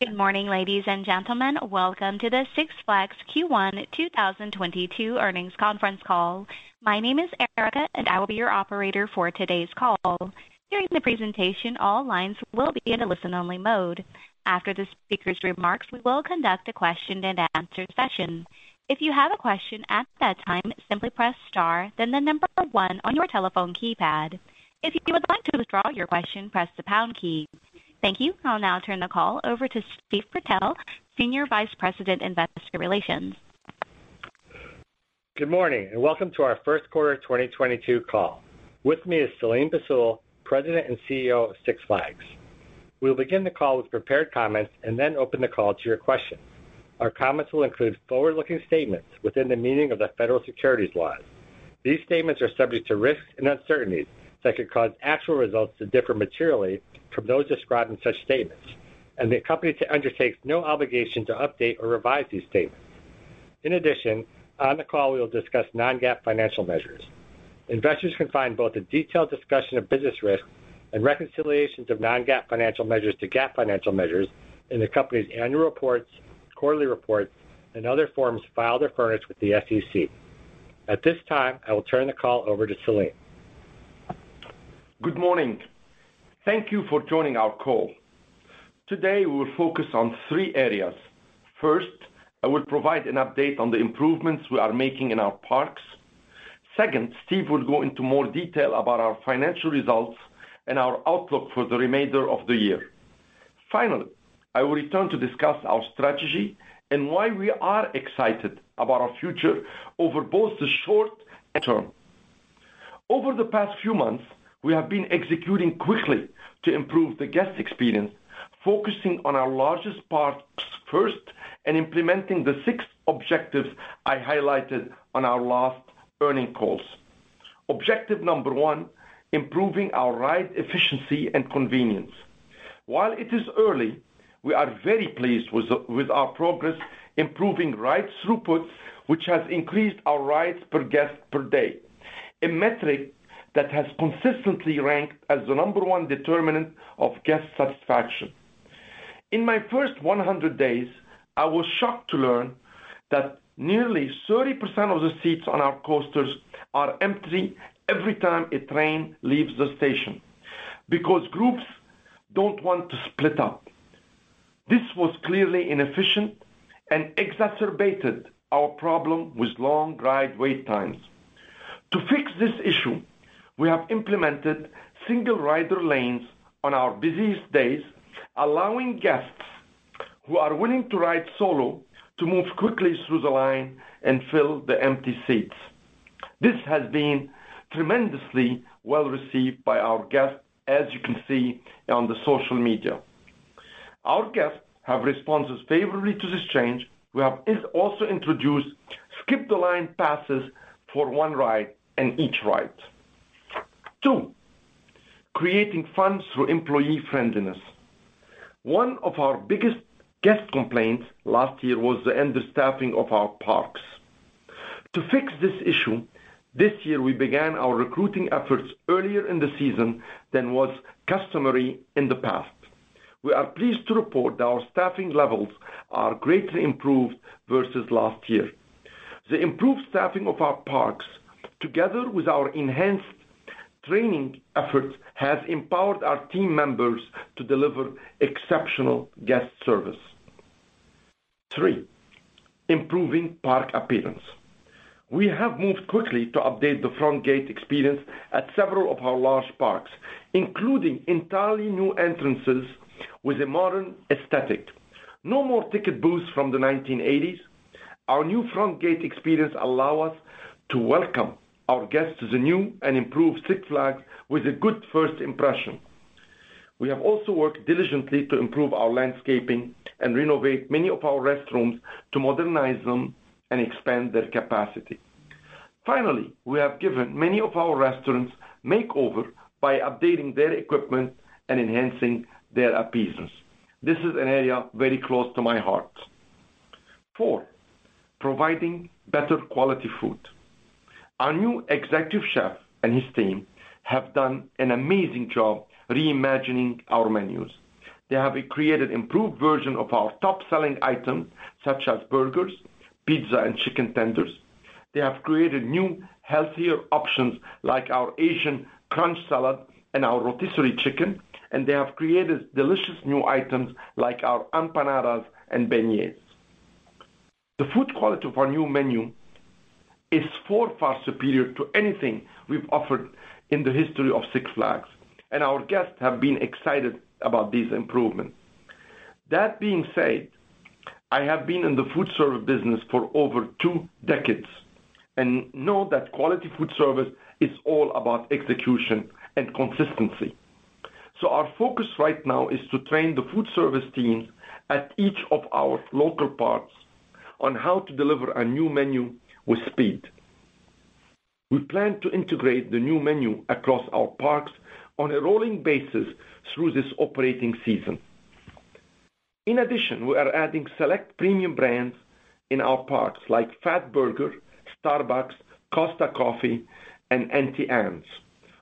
Good morning, ladies and gentlemen. Welcome to the Six Flags Q1 2022 earnings conference call. My name is Erica, and I will be your operator for today's call. During the presentation, all lines will be in a listen-only mode. After the speaker's remarks, we will conduct a question-and-answer session. If you have a question at that time, simply press star then the number one on your telephone keypad. If you would like to withdraw your question, press the pound key. Thank you. I'll now turn the call over to Steve Purtell, Senior Vice President, Investor Relations. Good morning, and welcome to our first quarter 2022 call. With me is Selim Bassoul, President and CEO of Six Flags. We'll begin the call with prepared comments and then open the call to your questions. Our comments will include forward-looking statements within the meaning of the federal securities laws. These statements are subject to risks and uncertainties that could cause actual results to differ materially from those described in such statements, and the company undertakes no obligation to update or revise these statements. In addition, on the call, we will discuss non-GAAP financial measures. Investors can find both a detailed discussion of business risks and reconciliations of non-GAAP financial measures to GAAP financial measures in the company's annual reports, quarterly reports, and other forms filed or furnished with the SEC. At this time, I will turn the call over to Selim. Good morning. Thank you for joining our call. Today, we will focus on three areas. First, I will provide an update on the improvements we are making in our parks. Second, Steve will go into more detail about our financial results and our outlook for the remainder of the year. Finally, I will return to discuss our strategy and why we are excited about our future over both the short and long-term. Over the past few months, we have been executing quickly to improve the guest experience, focusing on our largest parks first and implementing the six objectives I highlighted on our last earnings calls. Objective number one, improving our ride efficiency and convenience. While it is early, we are very pleased with our progress improving ride throughput, which has increased our rides per guest per day, a metric that has consistently ranked as the number one determinant of guest satisfaction. In my first 100 days, I was shocked to learn that nearly 30% of the seats on our coasters are empty every time a train leaves the station because groups don't want to split up. This was clearly inefficient and exacerbated our problem with long ride wait times. To fix this issue, we have implemented single rider lanes on our busiest days, allowing guests who are willing to ride solo to move quickly through the line and fill the empty seats. This has been tremendously well-received by our guests, as you can see on the social media. Our guests have responded favorably to this change. We have also introduced skip the line passes for one ride and each ride. Two, creating fun through employee friendliness. One of our biggest guest complaints last year was the understaffing of our parks. To fix this issue, this year we began our recruiting efforts earlier in the season than was customary in the past. We are pleased to report that our staffing levels are greatly improved versus last year. The improved staffing of our parks, together with our enhanced training efforts, has empowered our team members to deliver exceptional guest service. Three, improving park appearance. We have moved quickly to update the front gate experience at several of our large parks, including entirely new entrances with a modern aesthetic. No more ticket booths from the 1980s. Our new front gate experience allow us to welcome our guests to the new and improved Six Flags with a good first impression. We have also worked diligently to improve our landscaping and renovate many of our restrooms to modernize them and expand their capacity. Finally, we have given many of our restaurants makeover by updating their equipment and enhancing their appearances. This is an area very close to my heart. Four, providing better quality food. Our new executive chef and his team have done an amazing job reimagining our menus. They have created improved version of our top-selling items such as burgers, pizza, and chicken tenders. They have created new healthier options like our Asian crunch salad and our rotisserie chicken, and they have created delicious new items like our empanadas and beignets. The food quality of our new menu is far, far superior to anything we've offered in the history of Six Flags, and our guests have been excited about these improvements. That being said, I have been in the food service business for over two decades and know that quality food service is all about execution and consistency. Our focus right now is to train the food service team at each of our local parks on how to deliver a new menu with speed. We plan to integrate the new menu across our parks on a rolling basis through this operating season. In addition, we are adding select premium brands in our parks like Fatburger, Starbucks, Costa Coffee, and Auntie Anne's.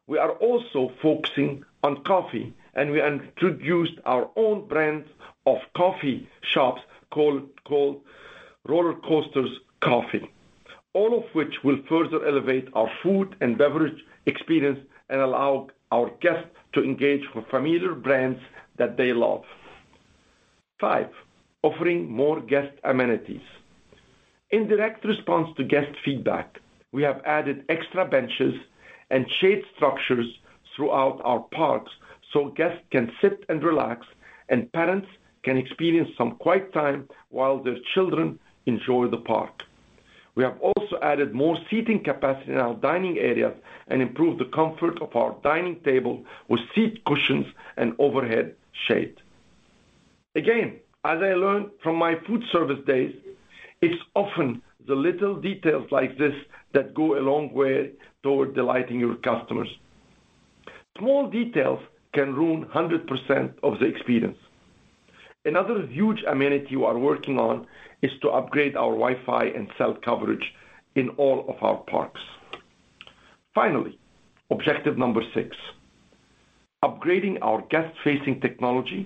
We are also focusing on coffee, and we introduced our own brand of coffee shops called Roller Coaster Coffee. All of which will further elevate our food and beverage experience and allow our guests to engage with familiar brands that they love. Five, offering more guest amenities. In direct response to guest feedback, we have added extra benches and shade structures throughout our parks so guests can sit and relax, and parents can experience some quiet time while their children enjoy the park. We have also added more seating capacity in our dining areas and improved the comfort of our dining table with seat cushions and overhead shade. Again, as I learned from my food service days, it's often the little details like this that go a long way toward delighting your customers. Small details can ruin 100% of the experience. Another huge amenity we are working on is to upgrade our Wi-Fi and cell coverage in all of our parks. Finally, objective number six, upgrading our guest-facing technology,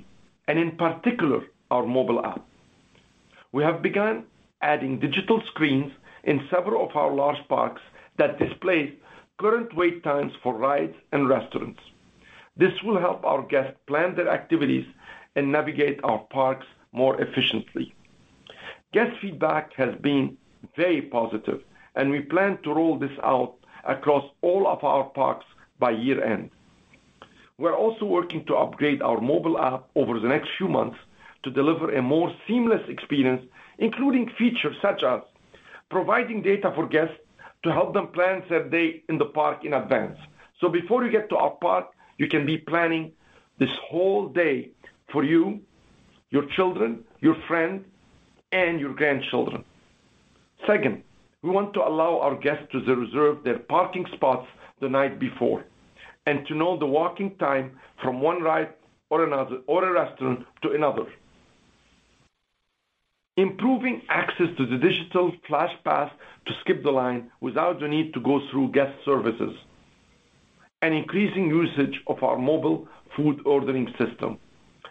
and in particular, our mobile app. We have begun adding digital screens in several of our large parks that display current wait times for rides and restaurants. This will help our guests plan their activities and navigate our parks more efficiently. Guest feedback has been very positive, and we plan to roll this out across all of our parks by year-end. We're also working to upgrade our mobile app over the next few months to deliver a more seamless experience, including features such as providing data for guests to help them plan their day in the park in advance. Before you get to our park, you can be planning this whole day for you, your children, your friends, and your grandchildren. Second, we want to allow our guests to reserve their parking spots the night before, and to know the walking time from one ride or another, or a restaurant to another. Improving access to the digital Flash Pass to skip the line without the need to go through guest services. Increasing usage of our mobile food ordering system.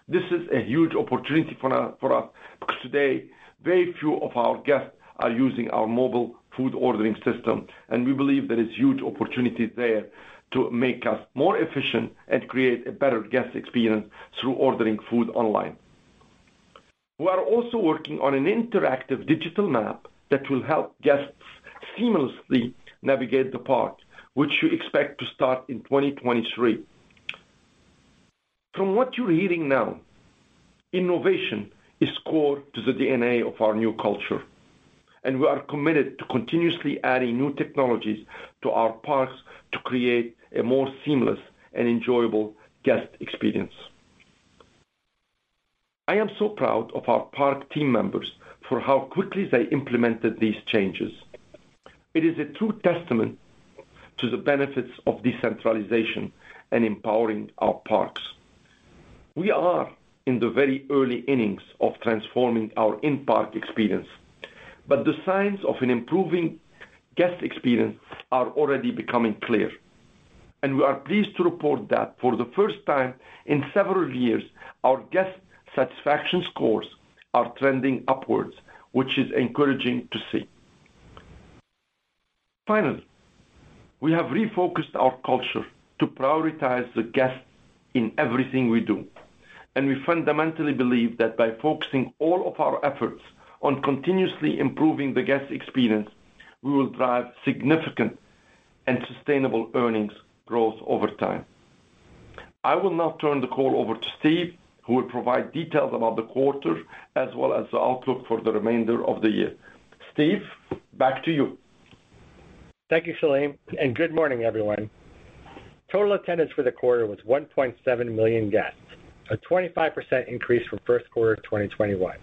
This is a huge opportunity for us because today, very few of our guests are using our mobile food ordering system, and we believe there is huge opportunity there to make us more efficient and create a better guest experience through ordering food online. We are also working on an interactive digital map that will help guests seamlessly navigate the park, which you expect to start in 2023. From what you're hearing now, innovation is core to the DNA of our new culture, and we are committed to continuously adding new technologies to our parks to create a more seamless and enjoyable guest experience. I am so proud of our park team members for how quickly they implemented these changes. It is a true testament to the benefits of decentralization and empowering our parks. We are in the very early innings of transforming our in-park experience, but the signs of an improving guest experience are already becoming clear. We are pleased to report that for the first time in several years, our guest satisfaction scores are trending upwards, which is encouraging to see. Finally, we have refocused our culture to prioritize the guest in everything we do, and we fundamentally believe that by focusing all of our efforts on continuously improving the guest experience, we will drive significant and sustainable earnings growth over time. I will now turn the call over to Steve, who will provide details about the quarter as well as the outlook for the remainder of the year. Steve, back to you. Thank you, Selim, and good morning, everyone. Total attendance for the quarter was 1.7 million guests, a 25% increase from first quarter of 2021.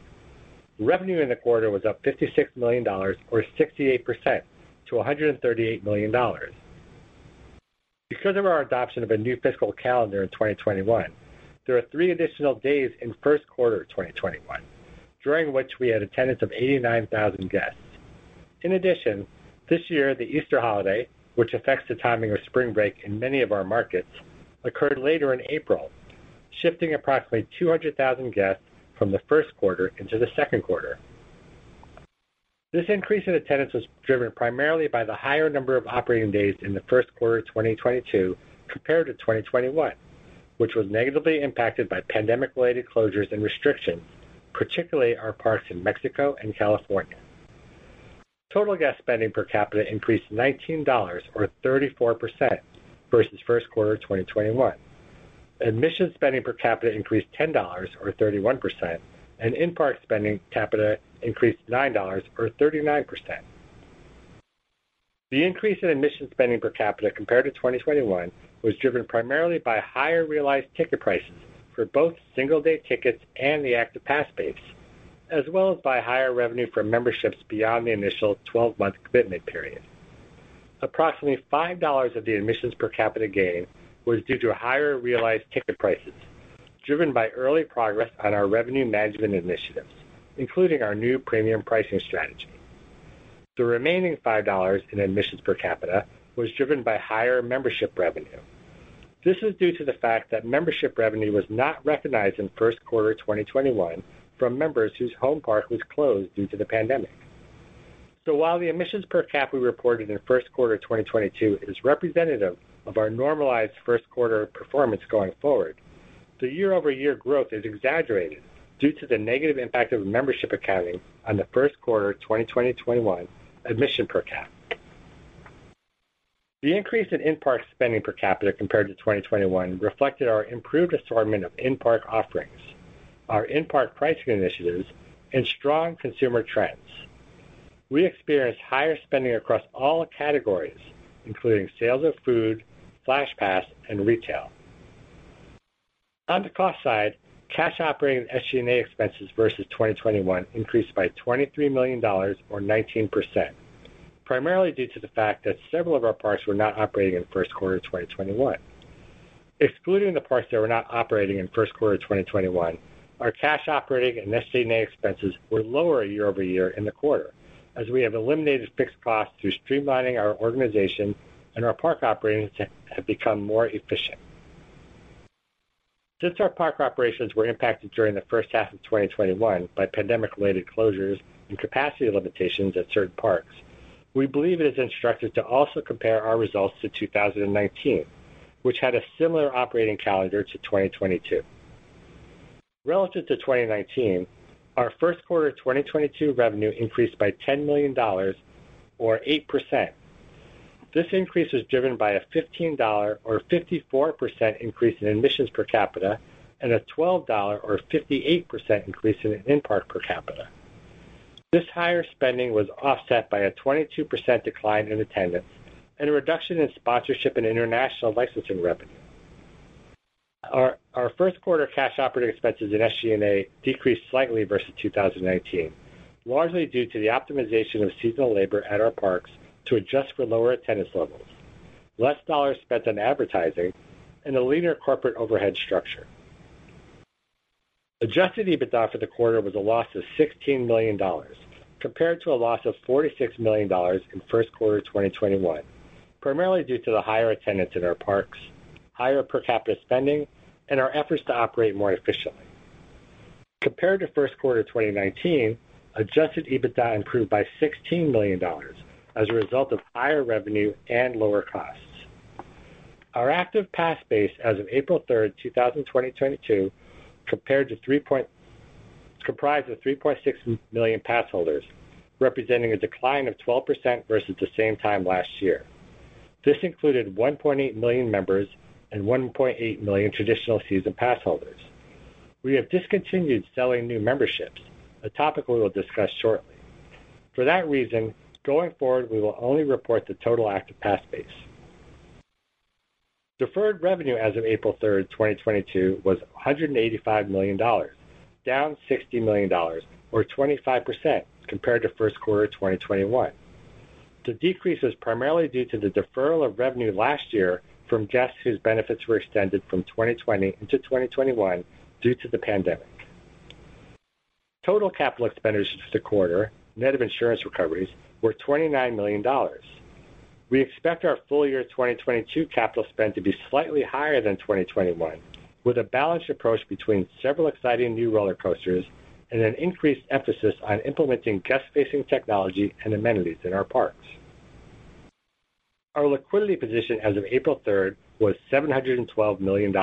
Revenue in the quarter was up $56 million or 68% to $138 million. Because of our adoption of a new fiscal calendar in 2021, there are three additional days in first quarter of 2021, during which we had attendance of 89,000 guests. In addition, this year, the Easter holiday, which affects the timing of spring break in many of our markets, occurred later in April, shifting approximately 200,000 guests from the first quarter into the second quarter. This increase in attendance was driven primarily by the higher number of operating days in the first quarter of 2022 compared to 2021, which was negatively impacted by pandemic-related closures and restrictions, particularly our parks in Mexico and California. Total guest spending per capita increased $19 or 34% versus first quarter of 2021. Admission spending per capita increased $10 or 31%, and in-park spending per capita increased $9 or 39%. The increase in admission spending per capita compared to 2021 was driven primarily by higher realized ticket prices for both single-day tickets and the active pass base, as well as by higher revenue from memberships beyond the initial 12-month commitment period. Approximately $5 of the admission per capita gain was due to higher realized ticket prices, driven by early progress on our revenue management initiatives, including our new premium pricing strategy. The remaining $5 in admissions per capita was driven by higher membership revenue. This is due to the fact that membership revenue was not recognized in first quarter 2021 from members whose home park was closed due to the pandemic. While the admissions per capita we reported in first quarter 2022 is representative of our normalized first quarter performance going forward, the year-over-year growth is exaggerated due to the negative impact of membership accounting on the first quarter 2021 admissions per capita. The increase in in-park spending per capita compared to 2021 reflected our improved assortment of in-park offerings, our in-park pricing initiatives and strong consumer trends. We experienced higher spending across all categories, including sales of food, Flash Pass, and retail. On the cost side, cash operating SG&A expenses versus 2021 increased by $23 million or 19%, primarily due to the fact that several of our parks were not operating in first quarter 2021. Excluding the parks that were not operating in first quarter 2021, our cash operating and SG&A expenses were lower year-over-year in the quarter as we have eliminated fixed costs through streamlining our organization and our park operations have become more efficient. Since our park operations were impacted during the first half of 2021 by pandemic-related closures and capacity limitations at certain parks, we believe it is instructive to also compare our results to 2019, which had a similar operating calendar to 2022. Relative to 2019, our first quarter 2022 revenue increased by $10 million or 8%. This increase was driven by a $15 or 54% increase in admissions per capita and a $12 or 58% increase in in-park per capita. This higher spending was offset by a 22% decline in attendance and a reduction in sponsorship and international licensing revenue. Our first quarter cash operating expenses in SG&A decreased slightly versus 2019, largely due to the optimization of seasonal labor at our parks to adjust for lower attendance levels, less dollars spent on advertising and a leaner corporate overhead structure. Adjusted EBITDA for the quarter was a loss of $16 million compared to a loss of $46 million in first quarter 2021, primarily due to the higher attendance in our parks, higher per capita spending, and our efforts to operate more efficiently. Compared to first quarter 2019, adjusted EBITDA improved by $16 million as a result of higher revenue and lower costs. Our active pass base as of April 3rd, 2022 comprised of 3.6 million pass holders, representing a decline of 12% versus the same time last year. This included 1.8 million members and 1.8 million traditional season pass holders. We have discontinued selling new memberships, a topic we will discuss shortly. For that reason, going forward, we will only report the total active pass base. Deferred revenue as of April 3rd, 2022 was $185 million, down $60 million or 25% compared to first quarter 2021. The decrease was primarily due to the deferral of revenue last year from guests whose benefits were extended from 2020 into 2021 due to the pandemic. Total capital expenditures for the quarter, net of insurance recoveries, were $29 million. We expect our full year 2022 capital spend to be slightly higher than 2021, with a balanced approach between several exciting new roller coasters and an increased emphasis on implementing guest-facing technology and amenities in our parks. Our liquidity position as of April 3rd, was $712 million.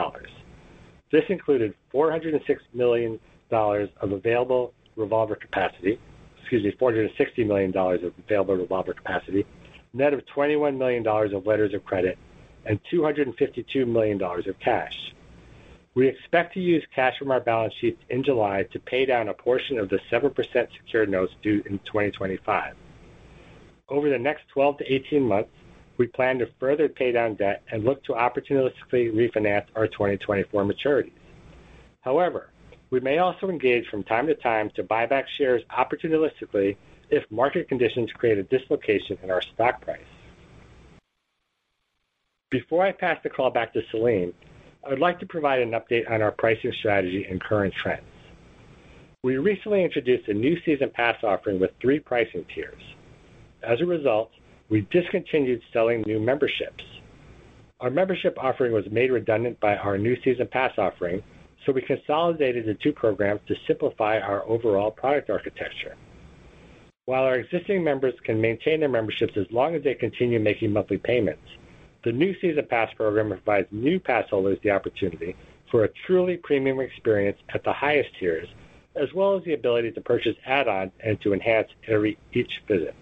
This included $460 million of available revolver capacity, net of $21 million of letters of credit and $252 million of cash. We expect to use cash from our balance sheets in July to pay down a portion of the 7% secured notes due in 2025. Over the next 12-18 months, we plan to further pay down debt and look to opportunistically refinance our 2024 maturities. However, we may also engage from time to time to buy back shares opportunistically if market conditions create a dislocation in our stock price. Before I pass the call back to Selim Bassoul, I would like to provide an update on our pricing strategy and current trends. We recently introduced a new season pass offering with three pricing tiers. As a result, we've discontinued selling new memberships. Our membership offering was made redundant by our new season pass offering, so we consolidated the two programs to simplify our overall product architecture. While our existing members can maintain their memberships as long as they continue making monthly payments, the new season pass program provides new pass holders the opportunity for a truly premium experience at the highest tiers, as well as the ability to purchase add-ons and to enhance each visit.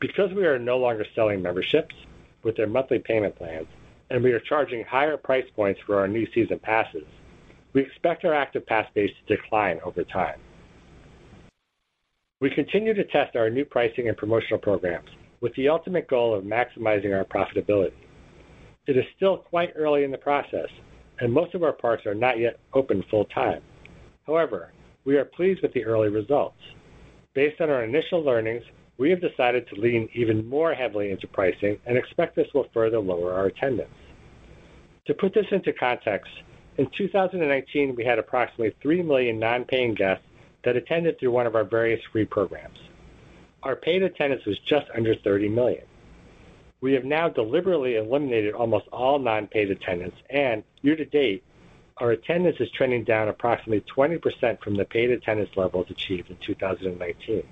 Because we are no longer selling memberships with their monthly payment plans, and we are charging higher price points for our new season passes, we expect our active pass base to decline over time. We continue to test our new pricing and promotional programs with the ultimate goal of maximizing our profitability. It is still quite early in the process, and most of our parks are not yet open full-time. However, we are pleased with the early results. Based on our initial learnings, we have decided to lean even more heavily into pricing and expect this will further lower our attendance. To put this into context, in 2019, we had approximately 3 million non-paying guests that attended through one of our various free programs. Our paid attendance was just under 30 million. We have now deliberately eliminated almost all non-paid attendance and year-to-date, our attendance is trending down approximately 20% from the paid attendance levels achieved in 2019.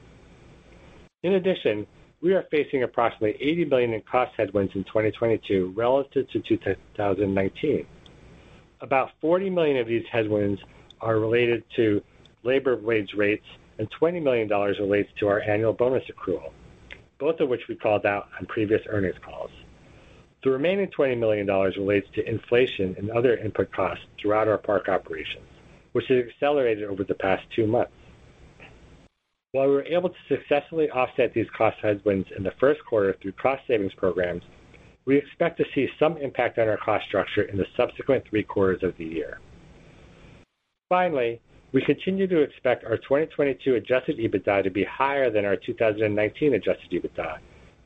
In addition, we are facing approximately $80 million in cost headwinds in 2022 relative to 2019. About $40 million of these headwinds are related to labor wage rates, and $20 million relates to our annual bonus accrual, both of which we called out on previous earnings calls. The remaining $20 million relates to inflation and other input costs throughout our park operations, which has accelerated over the past two months. While we were able to successfully offset these cost headwinds in the first quarter through cost savings programs, we expect to see some impact on our cost structure in the subsequent three quarters of the year. Finally, we continue to expect our 2022 adjusted EBITDA to be higher than our 2019 adjusted EBITDA,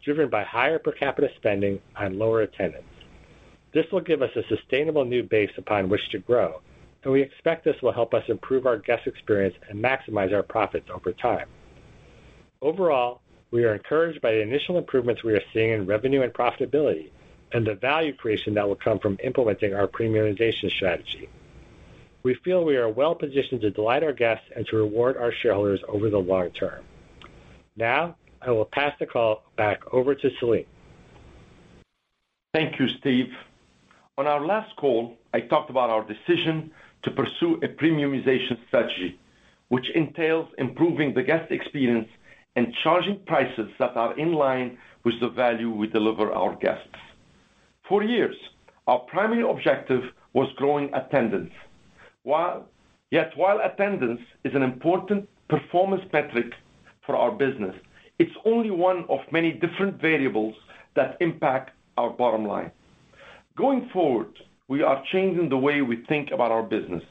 driven by higher per capita spending and lower attendance. This will give us a sustainable new base upon which to grow, and we expect this will help us improve our guest experience and maximize our profits over time. Overall, we are encouraged by the initial improvements we are seeing in revenue and profitability and the value creation that will come from implementing our premiumization strategy. We feel we are well-positioned to delight our guests and to reward our shareholders over the long-term. Now, I will pass the call back over to Selim. Thank you, Steve. On our last call, I talked about our decision to pursue a premiumization strategy, which entails improving the guest experience and charging prices that are in line with the value we deliver our guests. For years, our primary objective was growing attendance. While attendance is an important performance metric for our business, it's only one of many different variables that impact our bottom line. Going forward, we are changing the way we think about our business.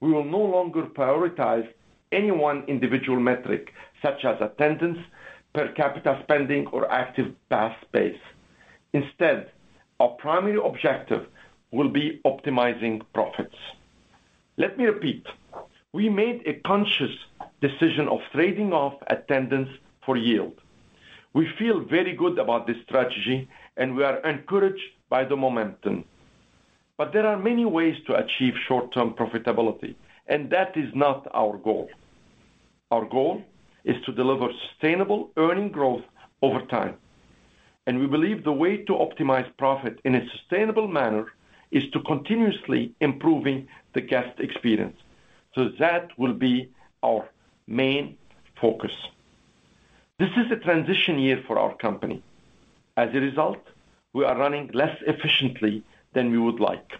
We will no longer prioritize any one individual metric, such as attendance, per capita spending, or active pass base. Instead, our primary objective will be optimizing profits. Let me repeat. We made a conscious decision of trading off attendance for yield. We feel very good about this strategy, and we are encouraged by the momentum. There are many ways to achieve short-term profitability, and that is not our goal. Our goal is to deliver sustainable earnings growth over time, and we believe the way to optimize profit in a sustainable manner is to continuously improving the guest experience. That will be our main focus. This is a transition year for our company. As a result, we are running less efficiently than we would like.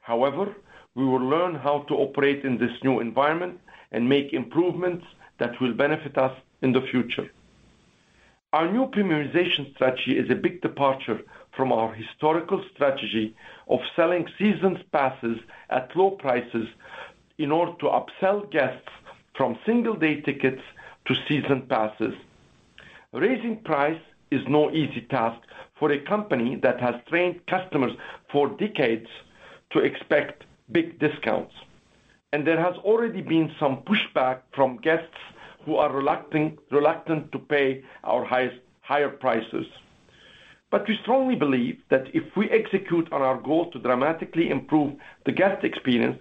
However, we will learn how to operate in this new environment and make improvements that will benefit us in the future. Our new premiumization strategy is a big departure from our historical strategy of selling season passes at low prices in order to upsell guests from single-day tickets to season passes. Raising price is no easy task for a company that has trained customers for decades to expect big discounts, and there has already been some pushback from guests who are reluctant to pay our higher prices. We strongly believe that if we execute on our goal to dramatically improve the guest experience,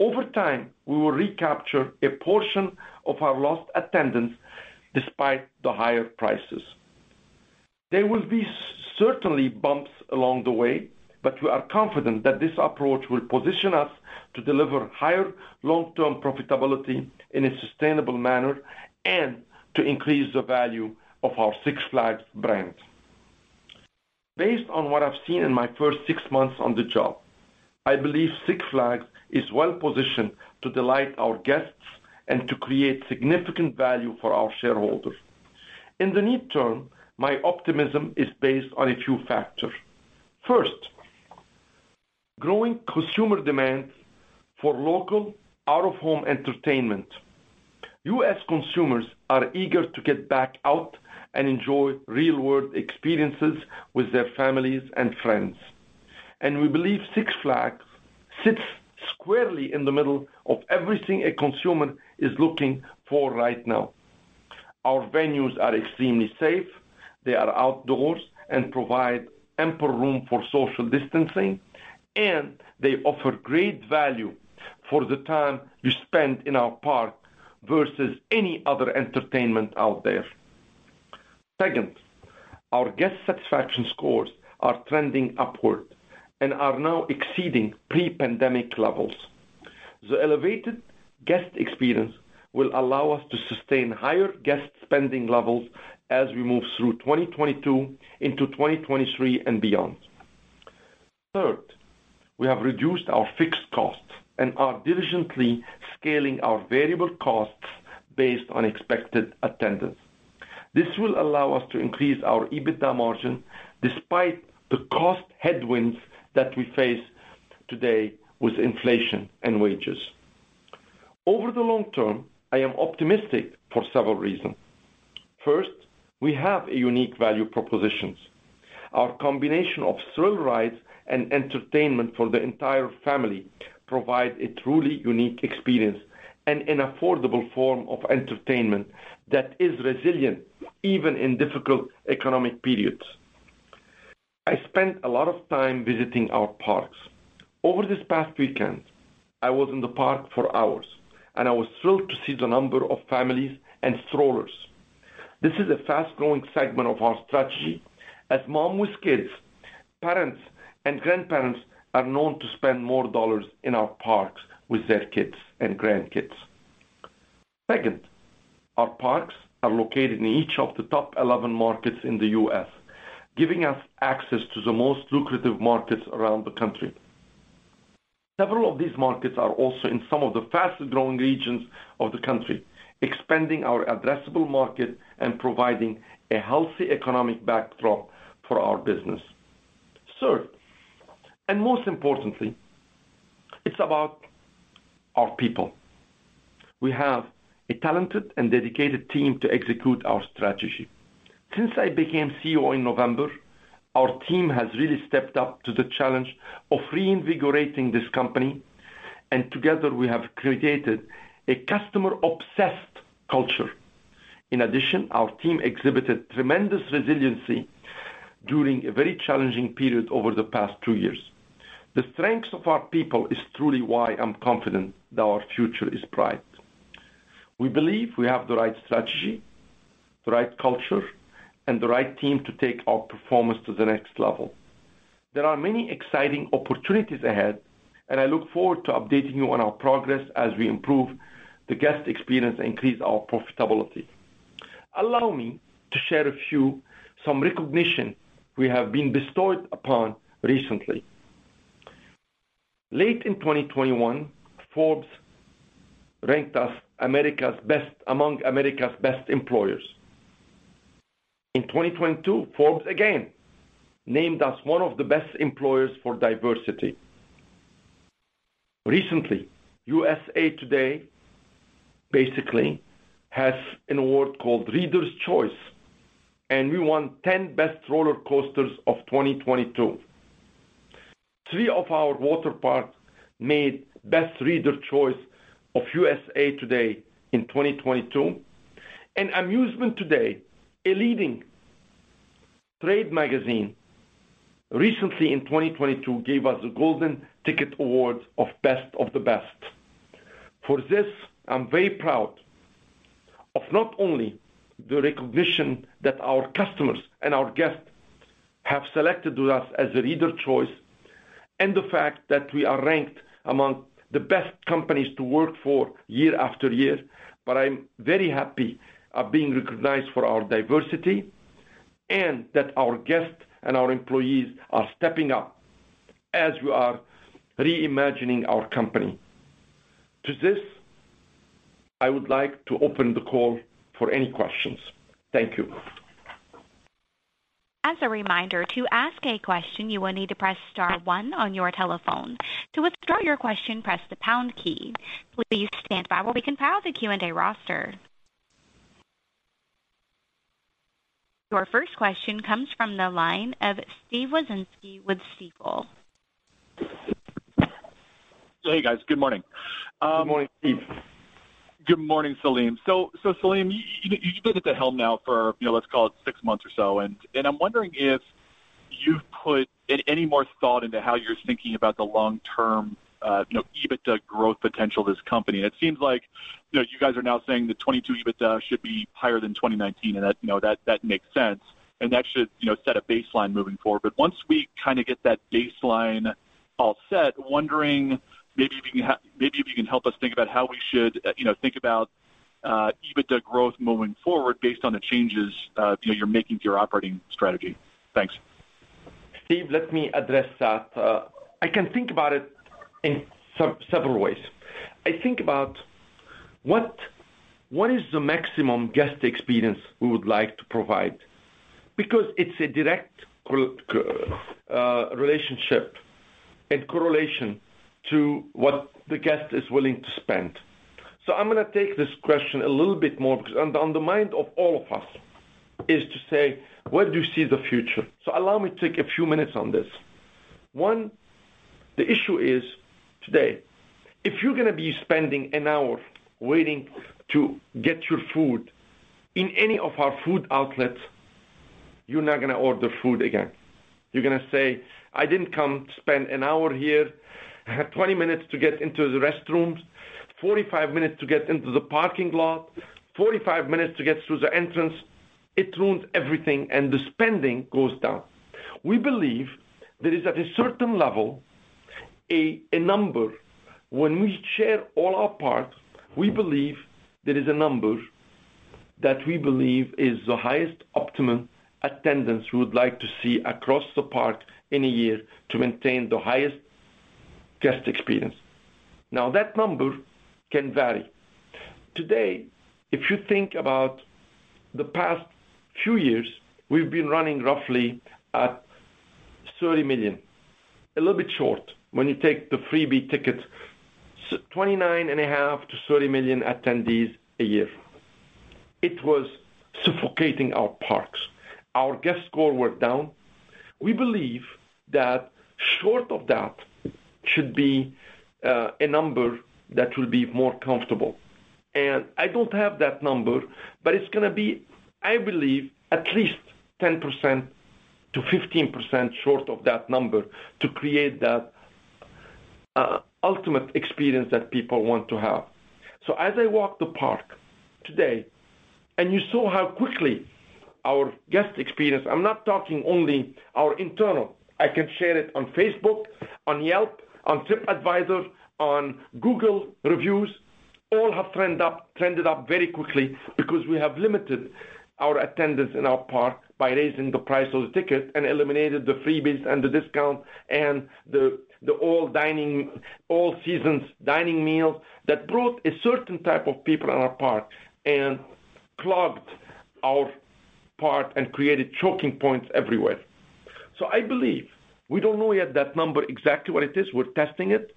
over time, we will recapture a portion of our lost attendance despite the higher prices. There will be certainly bumps along the way, but we are confident that this approach will position us to deliver higher long-term profitability in a sustainable manner and to increase the value of our Six Flags brand. Based on what I've seen in my first six months on the job, I believe Six Flags is well-positioned to delight our guests and to create significant value for our shareholders. In the near-term, my optimism is based on a few factors. First, growing consumer demand for local out-of-home entertainment. U.S. consumers are eager to get back out and enjoy real-world experiences with their families and friends. We believe Six Flags sits squarely in the middle of everything a consumer is looking for right now. Our venues are extremely safe, they are outdoors and provide ample room for social distancing, and they offer great value for the time you spend in our park versus any other entertainment out there. Second, our guest satisfaction scores are trending upward and are now exceeding pre-pandemic levels. The elevated guest experience will allow us to sustain higher guest spending levels as we move through 2022 into 2023 and beyond. Third, we have reduced our fixed costs and are diligently scaling our variable costs based on expected attendance. This will allow us to increase our EBITDA margin despite the cost headwinds that we face today with inflation and wages. Over the long-term, I am optimistic for several reasons. First, we have a unique value propositions. Our combination of thrill rides and entertainment for the entire family provide a truly unique experience and an affordable form of entertainment that is resilient even in difficult economic periods. I spent a lot of time visiting our parks. Over this past weekend, I was in the park for hours, and I was thrilled to see the number of families and strollers. This is a fast-growing segment of our strategy. As moms with kids, parents and grandparents are known to spend more dollars in our parks with their kids and grandkids. Second, our parks are located in each of the top 11 markets in the U.S., giving us access to the most lucrative markets around the country. Several of these markets are also in some of the fastest-growing regions of the country, expanding our addressable market and providing a healthy economic backdrop for our business. Third, and most importantly, it's about our people. We have a talented and dedicated team to execute our strategy. Since I became CEO in November, our team has really stepped up to the challenge of reinvigorating this company, and together, we have created a customer-obsessed culture. In addition, our team exhibited tremendous resiliency during a very challenging period over the past two years. The strengths of our people is truly why I'm confident that our future is bright. We believe we have the right strategy, the right culture, and the right team to take our performance to the next level. There are many exciting opportunities ahead, and I look forward to updating you on our progress as we improve the guest experience and increase our profitability. Allow me to share a few, some recognition we have been bestowed upon recently. Late in 2021, Forbes ranked us among America's Best Employers. In 2022, Forbes again named us one of the best employers for diversity. Recently, USA Today basically has an award called Readers' Choice, and we won 10 Best Roller Coasters of 2022. Three of our water parks made Best Readers' Choice of USA Today in 2022. Amusement Today, a leading trade magazine, recently in 2022, gave us a Golden Ticket Awards of Best of the Best. For this, I'm very proud of not only the recognition that our customers and our guests have selected us as a Readers' Choice and the fact that we are ranked among the best companies to work for year after year. I'm very happy of being recognized for our diversity and that our guests and our employees are stepping up as we are reimagining our company. To this, I would like to open the call for any questions. Thank you. As a reminder, to ask a question, you will need to press star-one on your telephone. To withdraw your question, press the pound key. Please stand by while we compile the Q&A roster. Your first question comes from the line of Steve Wieczynski with Stifel. Hey, guys. Good morning. Good morning, Steve. Good morning, Selim. Selim, you've been at the helm now for, you know, let's call it six months or so, and I'm wondering if you've put any more thought into how you're thinking about the long-term, you know, EBITDA growth potential of this company. It seems like, you know, you guys are now saying that 2022 EBITDA should be higher than 2019, and that makes sense. That should, you know, set a baseline moving forward. Once we kinda get that baseline all set, wondering maybe if you can help us think about how we should, you know, think about, EBITDA growth moving forward based on the changes, you know, you're making to your operating strategy. Thanks. Steve, let me address that. I can think about it in several ways. I think about what is the maximum guest experience we would like to provide? Because it's a direct relationship and correlation to what the guest is willing to spend. I'm going to take this question a little bit more because on the mind of all of us is to say, where do you see the future? Allow me to take a few minutes on this. One, the issue is today, if you're going to be spending an hour waiting to get your food in any of our food outlets, you're not going to order food again. You're going to say, "I didn't come to spend an hour here. I have 20 minutes to get into the restrooms, 45 minutes to get into the parking lot, 45 minutes to get through the entrance." It ruins everything, and the spending goes down. We believe there is, at a certain level, a number. When we share all our parks, we believe there is a number that we believe is the highest optimum attendance we would like to see across the park in a year to maintain the highest guest experience. Now that number can vary. Today, if you think about the past few years, we've been running roughly at 30 million, a little bit short. When you take the freebie tickets, say 29.5 million-30 million attendees a year. It was suffocating our parks. Our guest score were down. We believe that short of that should be a number that will be more comfortable. I don't have that number, but it's going to be, I believe, at least 10%-15% short of that number to create that ultimate experience that people want to have. As I walk the park today, and you saw how quickly our guest experience, I'm not talking only our internal, I can share it on Facebook, on Yelp, on Tripadvisor, on Google Reviews, all have trended up very quickly because we have limited our attendance in our park by raising the price of the ticket and eliminated the freebies and the discount and the all dining, all-seasons dining meals that brought a certain type of people in our park and clogged our park and created choking points everywhere. I believe we don't know yet that number exactly what it is. We're testing it.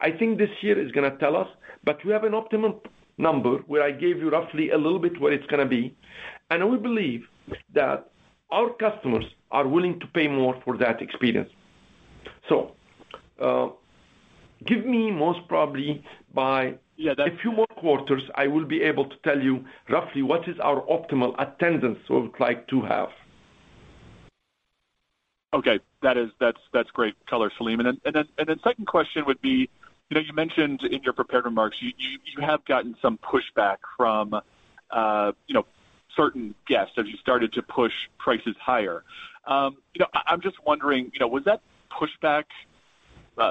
I think this year is going to tell us, but we have an optimum number where I gave you roughly a little bit what it's going to be, and we believe that our customers are willing to pay more for that experience. Give me most probably in a few more quarters, I will be able to tell you roughly what is our optimal attendance we would like to have. Okay. That's great color, Selim. The second question would be, you know, you mentioned in your prepared remarks, you have gotten some pushback from, you know, certain guests as you started to push prices higher. You know, I'm just wondering, you know, was that pushback,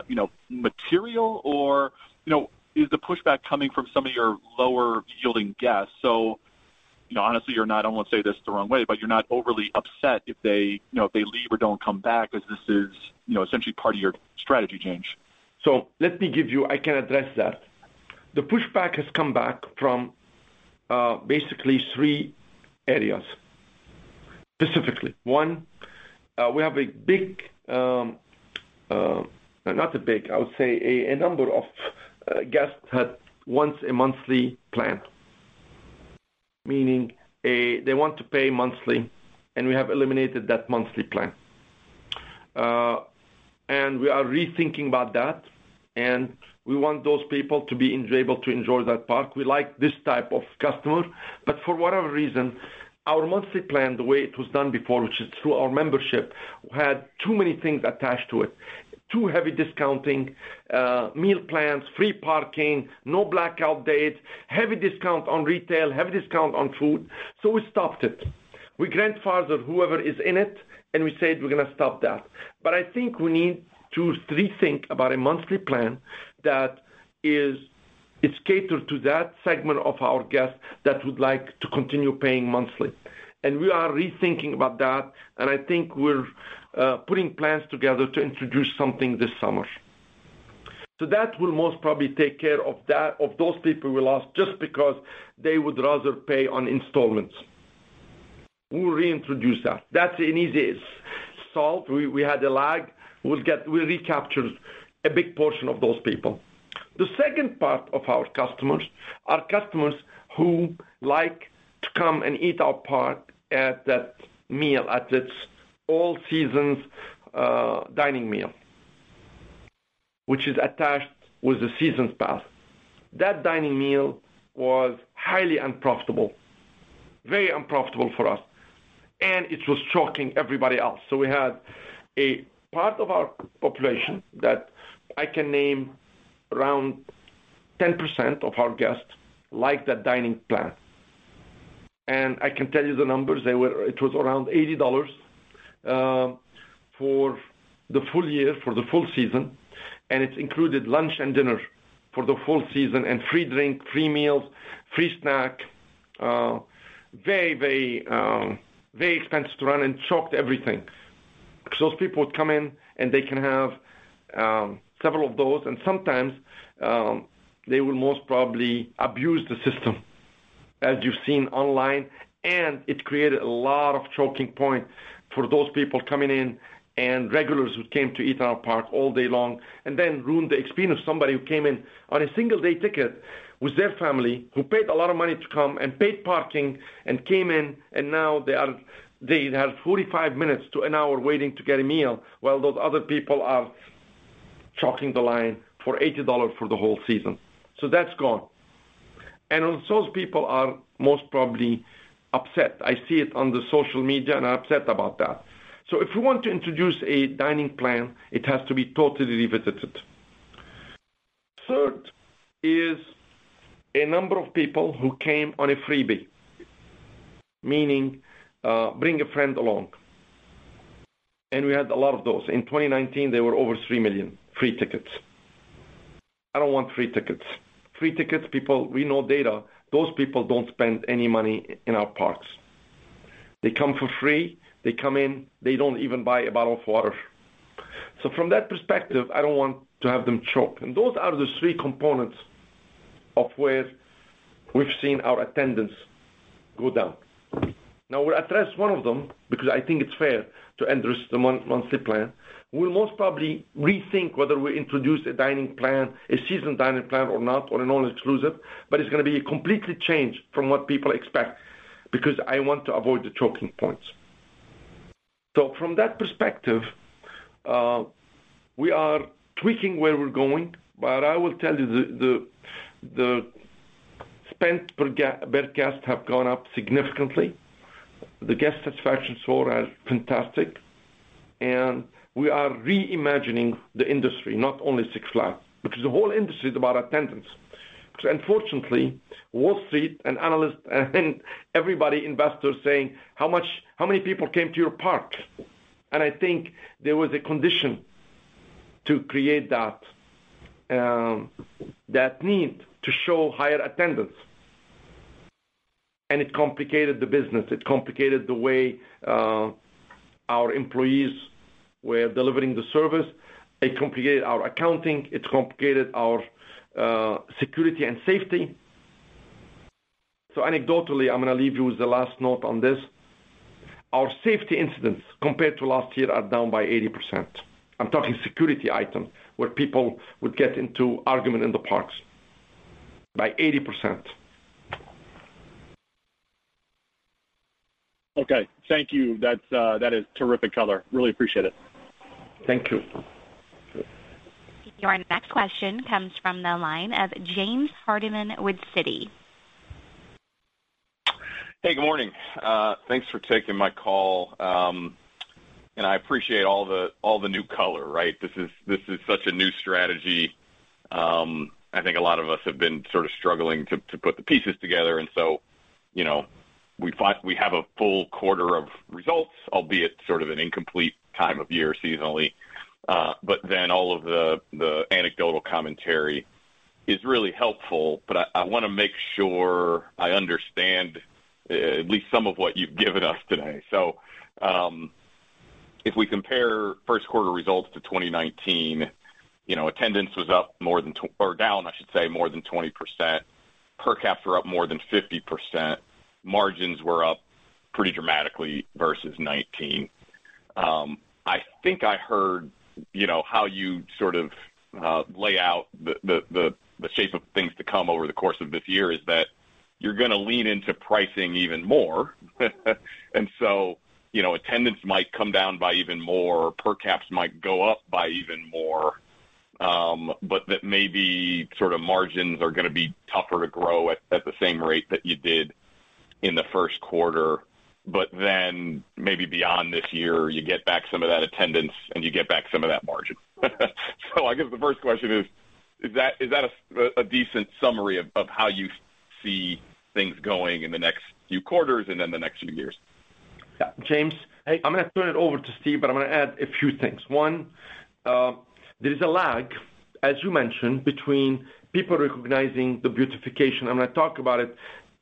you know, material or, you know, is the pushback coming from some of your lower-yielding guests? You know, honestly, you're not, I don't want to say this the wrong way, but you're not overly upset if they, you know, if they leave or don't come back because this is, you know, essentially part of your strategy change. I can address that. The pushback has come back from basically three areas. Specifically, one, we have a number of guests who had a monthly plan, meaning they want to pay monthly, and we have eliminated that monthly plan. We are rethinking about that, and we want those people to be able to enjoy that park. We like this type of customer, but for whatever reason, our monthly plan, the way it was done before, which is through our membership, had too many things attached to it. Too heavy discounting, meal plans, free parking, no blackout dates, heavy discount on retail, heavy discount on food. We stopped it. We grandfathered whoever is in it, and we said we're going to stop that. I think we need to rethink about a monthly plan that is catered to that segment of our guests that would like to continue paying monthly. We are rethinking about that, and I think we're putting plans together to introduce something this summer. That will most probably take care of that, of those people we lost just because they would rather pay on installments. We'll reintroduce that. That's an easy solve. We had a lag. We'll recapture a big portion of those people. The second part of our customers are customers who like to come and eat in our park at that All-Season dining deal, which is attached with the season pass. That dining deal was highly unprofitable, very unprofitable for us, and it was choking everybody else. We had a part of our population that I can name around 10% of our guests like that dining plan. I can tell you the numbers. It was around $80 for the full year, for the full season, and it included lunch and dinner for the full season and free drink, free meals, free snack, very expensive to run and choked everything. Those people would come in and they can have several of those, and sometimes they will most probably abuse the system as you've seen online, and it created a lot of choking point for those people coming in and regulars who came to eat in our park all day long and then ruined the experience of somebody who came in on a single-day ticket with their family, who paid a lot of money to come and paid parking and came in, and now they are, they have 45 minutes to an hour waiting to get a meal while those other people are choking the line for $80 for the whole season. That's gone. Those people are most probably upset. I see it on the social media, and are upset about that. If we want to introduce a dining plan, it has to be totally revisited. Third is a number of people who came on a freebie, meaning, bring a friend along. We had a lot of those. In 2019, there were over 3 million free tickets. I don't want free tickets. Free tickets people, we know data, those people don't spend any money in our parks. They come for free, they come in, they don't even buy a bottle of water. From that perspective, I don't want to have them choke. Those are the three components of where we've seen our attendance go down. Now we'll address one of them because I think it's fair to address the monthly plan. We'll most probably rethink whether we introduce a dining plan, a season dining plan or not, or an all-inclusive, but it's going to be completely changed from what people expect, because I want to avoid the choking points. From that perspective, we are tweaking where we're going. I will tell you the spend per guest have gone up significantly. The guest satisfaction score are fantastic, and we are reimagining the industry, not only Six Flags, because the whole industry is about attendance. Unfortunately, Wall Street and analysts and everybody, investors saying, "How many people came to your park?" I think there was a condition to create that need to show higher attendance. It complicated the business. It complicated the way, our employees were delivering the service. It complicated our accounting. It complicated our security and safety. Anecdotally, I'm going to leave you with the last note on this. Our safety incidents compared to last year are down by 80%. I'm talking security items, where people would get into argument in the parks. By 80%. Okay. Thank you. That's terrific color. Really appreciate it. Thank you. Your next question comes from the line of James Hardiman with Citi. Hey, good morning. Thanks for taking my call. I appreciate all the new color, right? This is such a new strategy. I think a lot of us have been sort of struggling to put the pieces together. You know, we have a full quarter of results, albeit sort of an incomplete time of year seasonally. But then all of the anecdotal commentary is really helpful, but I want to make sure I understand at least some of what you've given us today. If we compare first quarter results to 2019, you know, attendance was up more than or down, I should say, more than 20%. Per caps were up more than 50%. Margins were up pretty dramatically versus 2019. I think I heard, you know, how you sort of lay out the shape of things to come over the course of this year is that you're going to lean into pricing even more. You know, attendance might come down by even more, per caps might go up by even more, but that maybe sort of margins are going to be tougher to grow at the same rate that you did in the first quarter. But then maybe beyond this year, you get back some of that attendance and you get back some of that margin. I guess the first question is that a decent summary of how you see things going in the next few quarters and in the next few years? Yeah, James. I'm going to turn it over to Steve, but I'm going to add a few things. One, there is a lag, as you mentioned, between people recognizing the beautification. I'm going to talk about it.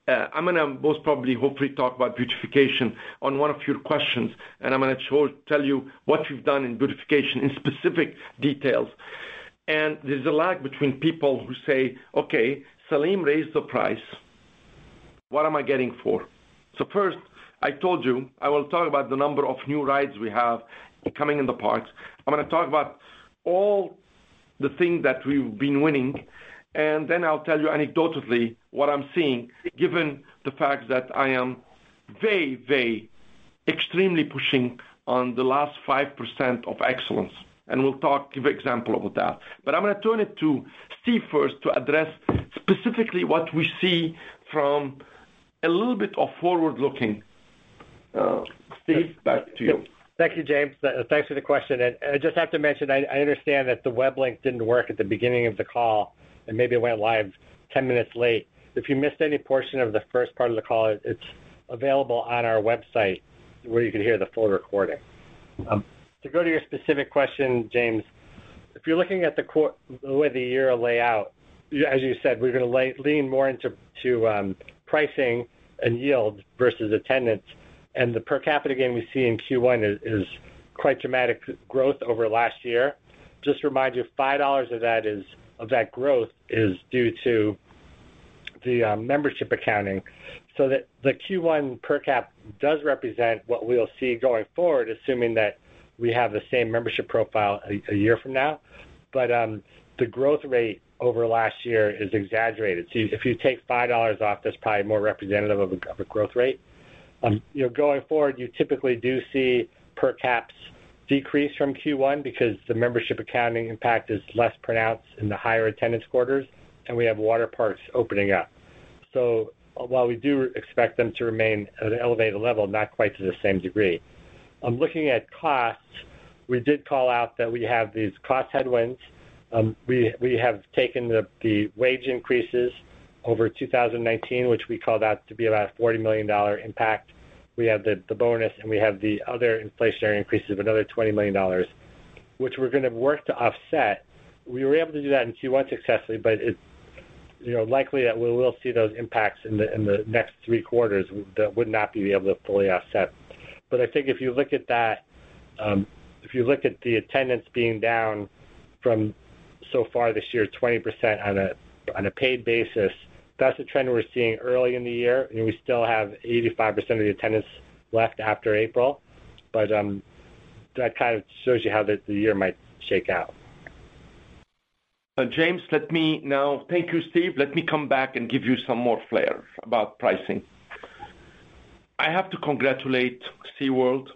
I'm going to most probably, hopefully, talk about beautification on one of your questions, and I'm going to tell you what you've done in beautification in specific details. There's a lag between people who say, "Okay, Selim raised the price. What am I getting for?" So first, I told you, I will talk about the number of new rides we have coming in the parks. I'm going to talk about all the things that we've been winning, and then I'll tell you anecdotally what I'm seeing, given the fact that I am very, very extremely pushing on the last 5% of excellence. We'll talk, give example of that. I'm going to turn it to Steve first to address specifically what we see from a little bit of forward-looking. Steve, back to you. Thank you, James. Thanks for the question. I just have to mention, I understand that the web link didn't work at the beginning of the call, and maybe it went live 10 minutes late. If you missed any portion of the first part of the call, it's available on our website where you can hear the full recording. To go to your specific question, James, if you're looking at the way the year will lay out, as you said, we're going to lean more into pricing and yield versus attendance. The per capita gain we see in Q1 is quite dramatic growth over last year. Just to remind you, $5 of that growth is due to the membership accounting, so that the Q1 per cap does represent what we'll see going forward, assuming that we have the same membership profile a year from now. The growth rate over last year is exaggerated. If you take $5 off, that's probably more representative of a growth rate. You know, going forward, you typically do see per caps decrease from Q1 because the membership accounting impact is less pronounced in the higher attendance quarters, and we have water parks opening up. While we do expect them to remain at an elevated level, not quite to the same degree. Looking at costs, we did call out that we have these cost headwinds. We have taken the wage increases over 2019, which we call that to be about a $40 million impact. We have the bonus, and we have the other inflationary increases of another $20 million, which we're going to work to offset. We were able to do that in Q1 successfully, but you know, likely that we will see those impacts in the next three quarters that would not be able to fully offset. I think if you look at that, if you look at the attendance being down so far this year, 20% on a paid basis, that's a trend we're seeing early in the year, and we still have 85% of the attendance left after April. That kind of shows you how the year might shake out. James, let me now thank you, Steve. Let me come back and give you some more flair about pricing. I have to congratulate SeaWorld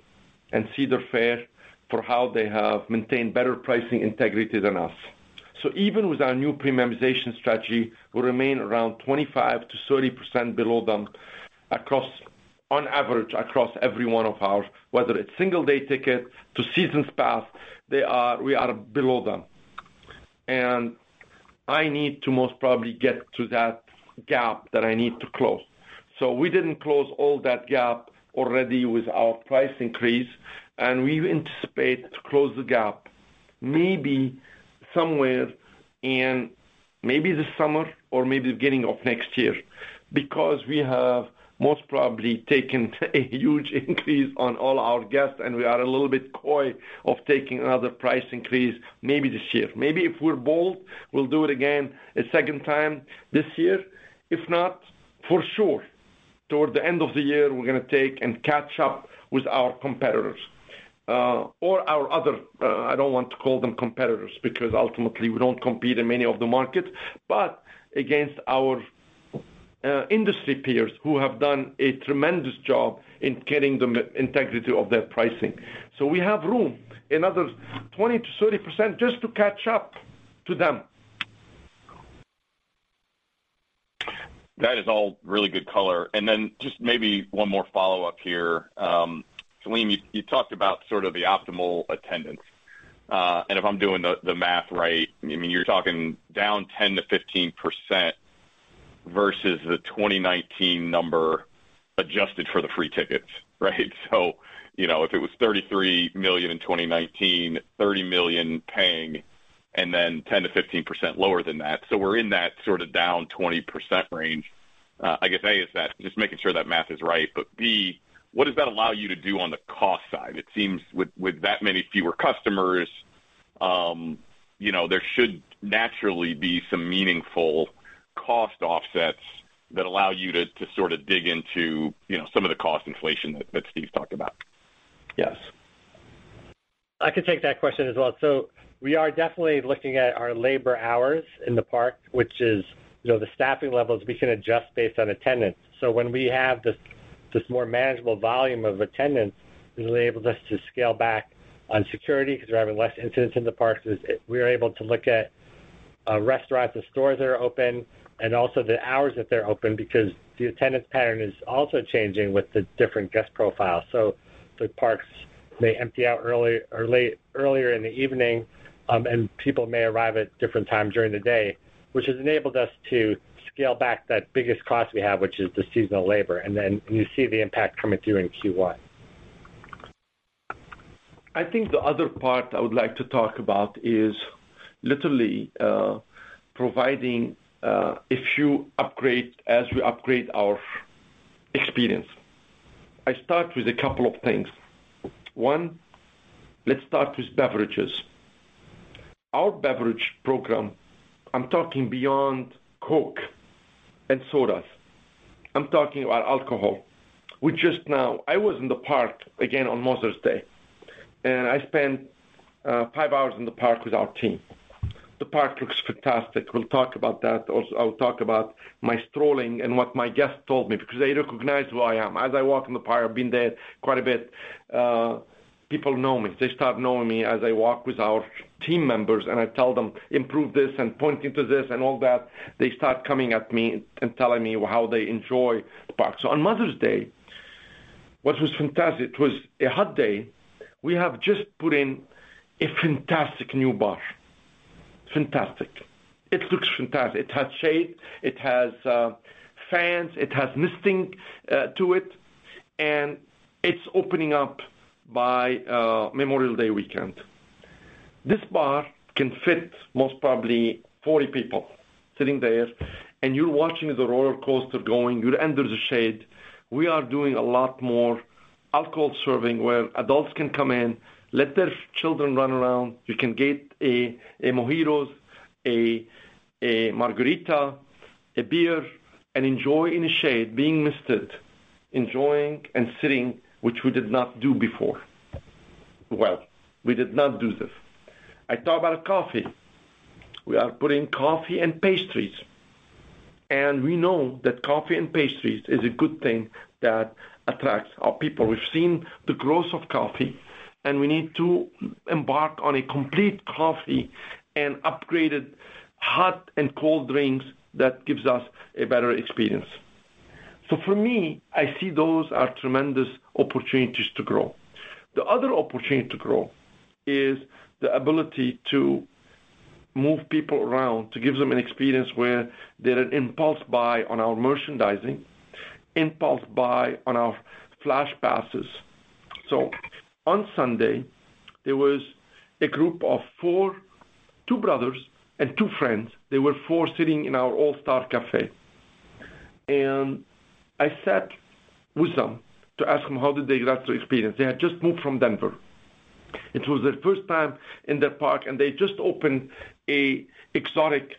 and Cedar Fair for how they have maintained better pricing integrity than us. Even with our new premiumization strategy, we remain around 25%-30% below them across, on average, across every one of ours, whether it's single day ticket to seasons pass, we are below them. I need to most probably get to that gap that I need to close. We didn't close all that gap already with our price increase, and we anticipate to close the gap maybe somewhere in maybe this summer or maybe the beginning of next year, because we have most probably taken a huge increase on all our guests, and we are a little bit coy of taking another price increase maybe this year. Maybe if we're bold, we'll do it again a second time this year. If not, for sure, toward the end of the year, we're going to take and catch up with our competitors, or our other, I don't want to call them competitors, because ultimately, we don't compete in many of the markets, but against our industry peers who have done a tremendous job in getting the magnitude of their pricing. We have room, another 20%-30% just to catch up to them. That is all really good color. Then just maybe one more follow-up here. Selim, you talked about sort of the optimal attendance. If I'm doing the math right, I mean, you're talking down 10%-15% versus the 2019 number adjusted for the free tickets, right? You know, if it was 33 million in 2019, 30 million paying and then 10%-15% lower than that. We're in that sorta down 20% range. I guess, A, is that just making sure that math is right. B, what does that allow you to do on the cost side? It seems with that many fewer customers, you know, there should naturally be some meaningful cost offsets that allow you to sort of dig into, you know, some of the cost inflation that Steve talked about. I can take that question as well. We are definitely looking at our labor hours in the park, which is, you know, the staffing levels we can adjust based on attendance. When we have this more manageable volume of attendance, it enables us to scale back on security because we're having less incidents in the parks. We are able to look at restaurants and stores that are open and also the hours that they're open because the attendance pattern is also changing with the different guest profiles. The parks may empty out early or late, earlier in the evening, and people may arrive at different times during the day, which has enabled us to scale back that biggest cost we have, which is the seasonal labor. You see the impact coming through in Q1. I think the other part I would like to talk about is literally providing a few upgrades as we upgrade our experience. I start with a couple of things. One, let's start with beverages. Our beverage program, I'm talking beyond Coke and sodas. I'm talking about alcohol. We just now. I was in the park again on Mother's Day, and I spent five hours in the park with our team. The park looks fantastic. We'll talk about that. Also, I'll talk about my strolling and what my guests told me because they recognize who I am. As I walk in the park, I've been there quite a bit, people know me. They start knowing me as I walk with our team members, and I tell them, "Improve this," and pointing to this and all that. They start coming at me and telling me how they enjoy the park. On Mother's Day, what was fantastic, it was a hot day. We have just put in a fantastic new bar. Fantastic. It looks fantastic. It has shade, it has fans, it has misting to it, and it's opening up by Memorial Day weekend. This bar can fit most probably 40 people sitting there, and you're watching the rollercoaster going. You're under the shade. We are doing a lot more alcohol serving where adults can come in, let their children run around. You can get a mojito, a margarita, a beer, and enjoy in the shade, being misted, enjoying and sitting, which we did not do before. Well, we did not do this. I talk about coffee. We are putting coffee and pastries. We know that coffee and pastries is a good thing that attracts our people. We've seen the growth of coffee, and we need to embark on a complete coffee and upgraded hot and cold drinks that gives us a better experience. For me, I see those are tremendous opportunities to grow. The other opportunity to grow is the ability to move people around, to give them an experience where they're an impulse buy on our merchandising, impulse buy on our Flash Passes. On Sunday, there was a group of four, two brothers and two friends. They were four sitting in our All-Star Cafe. I sat with them to ask them how did they like the experience. They had just moved from Denver. It was their first time in the park, and they just opened an exotic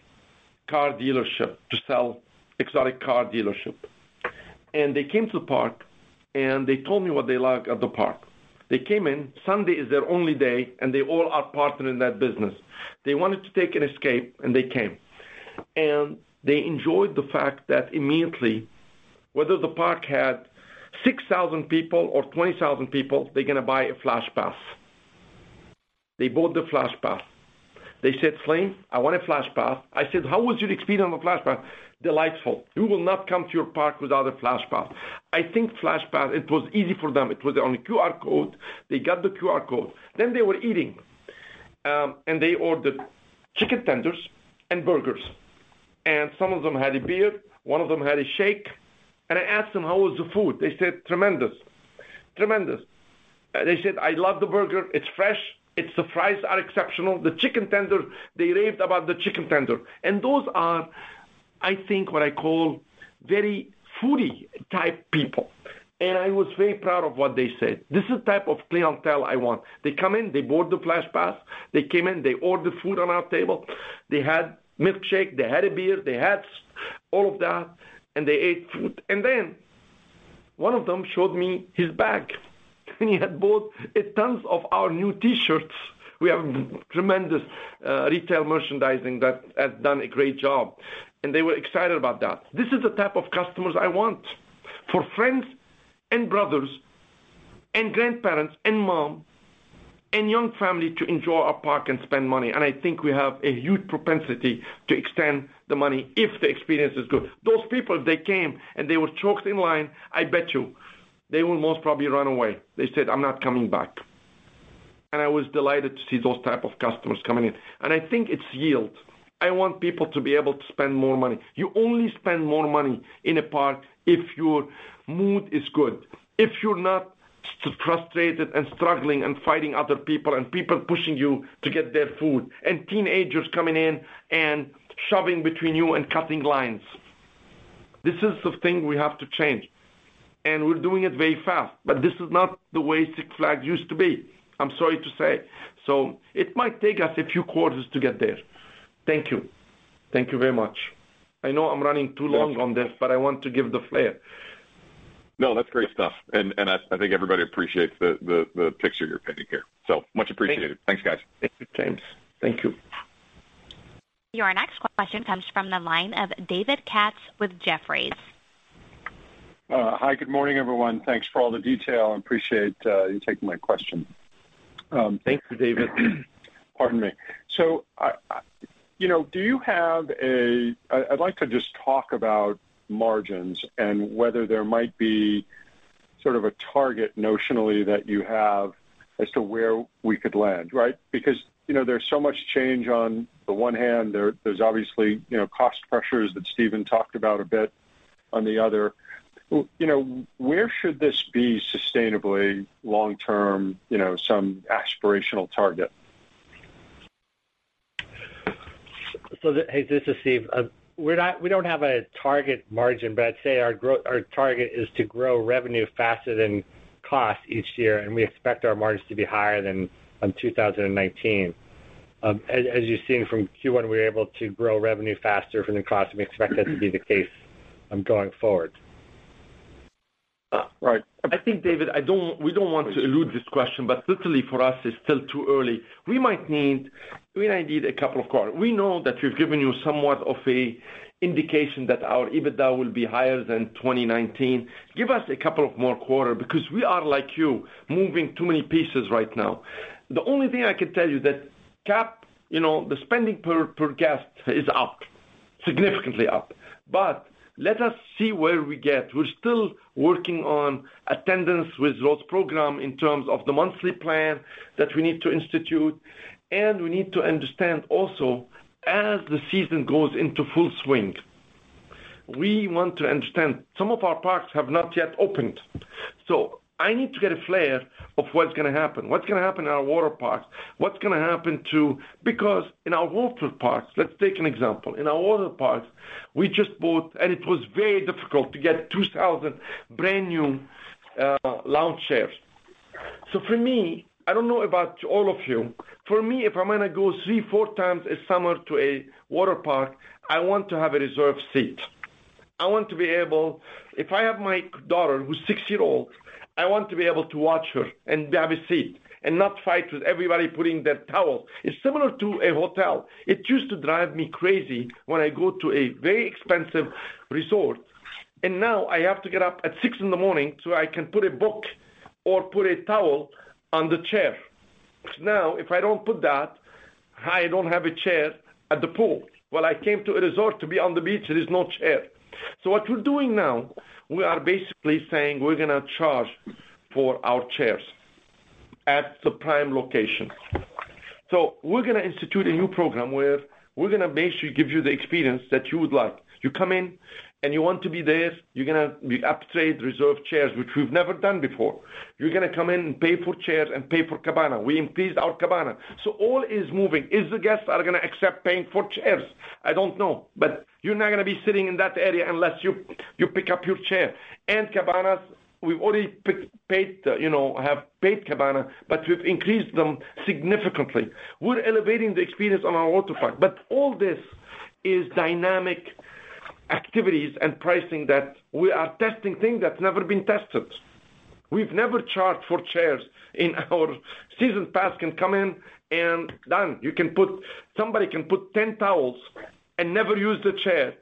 car dealership to sell exotic car dealership. They came to the park, and they told me what they like at the park. They came in. Sunday is their only day, and they all are partner in that business. They wanted to take an escape, and they came. They enjoyed the fact that immediately, whether the park had 6,000 people or 20,000 people, they're going to buy a Flash Pass. They bought the Flash Pass. They said, "Selim, I want a Flash Pass." I said, "How was your experience on the Flash Pass?" "Delightful. We will not come to your park without a Flash Pass." I think Flash Pass, it was easy for them. It was on a QR code. They got the QR code. Then they were eating, and they ordered chicken tenders and burgers, and some of them had a beer, one of them had a shake. I asked them, "How was the food?" They said, "Tremendous. Tremendous." They said, "I love the burger. It's fresh. The fries are exceptional." The chicken tenders, they raved about the chicken tenders. Those are, I think, what I call very foodie-type people. I was very proud of what they said. This is type of clientele I want. They come in, they bought the Flash Pass. They came in, they ordered food on our table. They had milkshake, they had a beer, they had all of that, and they ate food. Then one of them showed me his bag, and he had bought tons of our new T-shirts. We have tremendous retail merchandising that has done a great job, and they were excited about that. This is the type of customers I want for friends and brothers and grandparents and mom and young family to enjoy our park and spend money. I think we have a huge propensity to spend the money if the experience is good. Those people, they came, and they were choked in line. I bet you they will most probably run away. They said, "I'm not coming back." I was delighted to see those type of customers coming in. I think it's yield. I want people to be able to spend more money. You only spend more money in a park if your mood is good, if you're not frustrated and struggling and fighting other people and people pushing you to get their food and teenagers coming in and shoving between you and cutting lines. This is the thing we have to change, and we're doing it very fast. This is not the way Six Flags used to be, I'm sorry to say. It might take us a few quarters to get there. Thank you. Thank you very much. I know I'm running too long on this, but I want to give the flair. No, that's great stuff. I think everybody appreciates the picture you're painting here. Much appreciated. Thanks, guys. Thank you, James. Thank you. Your next question comes from the line of David Katz with Jefferies. Hi, good morning, everyone. Thanks for all the detail. I appreciate you taking my question. Thank you, David. You know, I'd like to just talk about margins and whether there might be sort of a target notionally that you have as to where we could land, right? Because, you know, there's so much change on the one hand. There's obviously, you know, cost pressures that Steve talked about a bit on the other hand. You know, where should this be sustainably long-term, you know, some aspirational target? Hey, this is Steve. We don't have a target margin, but I'd say our target is to grow revenue faster than cost each year, and we expect our margins to be higher than 2019. As you're seeing from Q1, we're able to grow revenue faster than the cost, and we expect that to be the case going forward. Right. I think, David, we don't want to elude this question, but literally for us, it's still too early. We might need a couple of quarters. We know that we've given you somewhat of an indication that our EBITDA will be higher than 2019. Give us a couple more quarters because we are like you, moving too many pieces right now. The only thing I can tell you is that per capita, you know, the spending per guest is up, significantly up. But let us see where we get. We're still working on attendance with membership program in terms of the monthly plan that we need to institute, and we need to understand also, as the season goes into full swing, we want to understand. Some of our parks have not yet opened. I need to get a flavor of what's going to happen in our water parks. Because in our water parks, let's take an example. In our water parks, we just bought, and it was very difficult to get 2,000 brand new lounge chairs. For me, I don't know about all of you. For me, if I'm going to go 3x-4x a summer to a water park, I want to have a reserved seat. I want to be able to. If I have my daughter who's six-year-old, I want to be able to watch her and have a seat and not fight with everybody putting their towel. It's similar to a hotel. It used to drive me crazy when I go to a very expensive resort, and now I have to get up at 6:00 A.M. so I can put a book or put a towel on the chair. Now, if I don't put that, I don't have a chair at the pool. Well, I came to a resort to be on the beach. There is no chair. What we're doing now, we are basically saying we're going to charge for our chairs. At the prime location. We're going to institute a new program where we're going to basically give you the experience that you would like. You come in, and you want to be there, we upgrade reserved chairs, which we've never done before. You're going to come in and pay for chairs and pay for cabana. We increased our cabana. All is moving. If the guests are going to accept paying for chairs, I don't know. You're not going to be sitting in that area unless you pick up your chair. Cabanas, we've already pre-paid, you know, have pre-paid cabanas, but we've increased them significantly. We're elevating the experience on our water park. All this is dynamic activities and pricing that we are testing things that's never been tested. We've never charged for chairs in our season pass holders can come in and somebody can put 10 towels and never use the chair.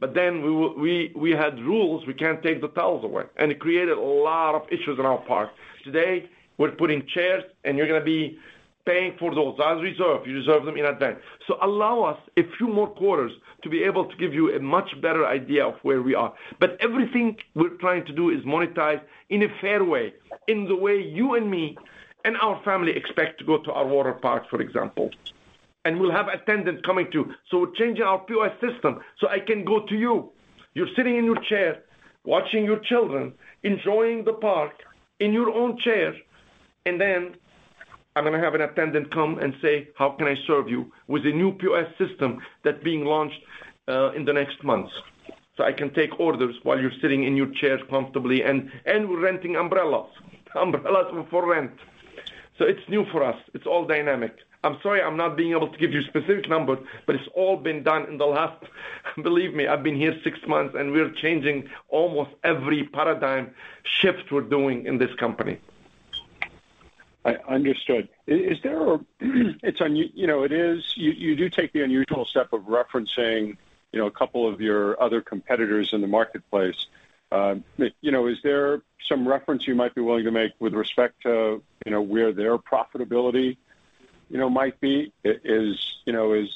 We had rules, we can't take the towels away, and it created a lot of issues in our parks. Today, we're putting chairs, and you're going to be paying for those to reserve. You reserve them in advance. Allow us a few more quarters to be able to give you a much better idea of where we are. Everything we're trying to do is monetize in a fair way, in the way you and me and our family expect to go to our water parks, for example. We'll have attendants coming, too. We're changing our POS system, so I can go to you. You're sitting in your chair, watching your children, enjoying the park in your own chair, and then I'm going to have an attendant come and say, "How can I serve you?" With a new POS system that's being launched in the next months. I can take orders while you're sitting in your chair comfortably. We're renting umbrellas. Umbrellas for rent. It's new for us. It's all dynamic. I'm sorry I'm not being able to give you specific numbers, but it's all been done in the last, believe me. I've been here six months, and we're changing almost every paradigm shift we're doing in this company. Understood. Is it unusual, you know, it is. You do take the unusual step of referencing, you know, a couple of your other competitors in the marketplace. You know, is there some reference you might be willing to make with respect to, you know, where their profitability, you know, might be? Is, you know, is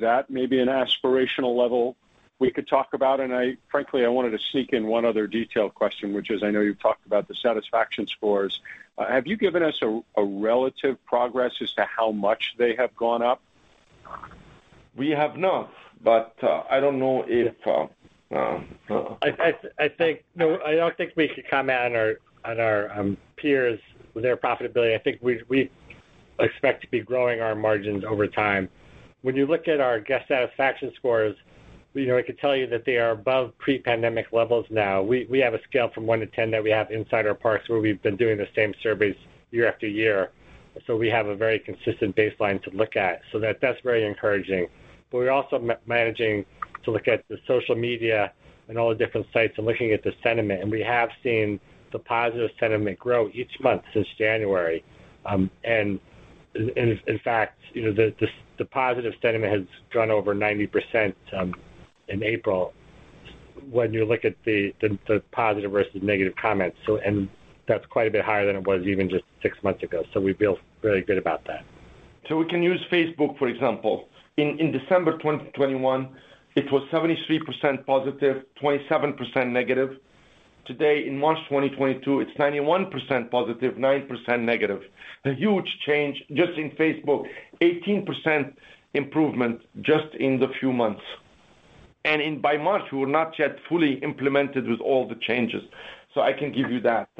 that maybe an aspirational level we could talk about? I frankly wanted to sneak in one other detailed question, which is, I know you've talked about the satisfaction scores. Have you given us a relative progress as to how much they have gone up? We have not. I think. No, I don't think we could comment on our peers with their profitability. I think we expect to be growing our margins over time. When you look at our guest satisfaction scores, you know, I could tell you that they are above pre-pandemic levels now. We have a scale from 1-10 that we have inside our parks where we've been doing the same surveys year after year. We have a very consistent baseline to look at, so that's very encouraging. We're also managing to look at the social media and all the different sites and looking at the sentiment, and we have seen the positive sentiment grow each month since January. In fact, you know, the positive sentiment has grown over 90% in April when you look at the positive versus negative comments. That's quite a bit higher than it was even just six months ago. We feel really good about that. We can use Facebook, for example. In December 2022, it was 73% positive, 27% negative. Today, in March 2022, it's 91% positive, 9% negative. A huge change just in Facebook. 18% improvement just in the few months. By March, we were not yet fully implemented with all the changes. I can give you that.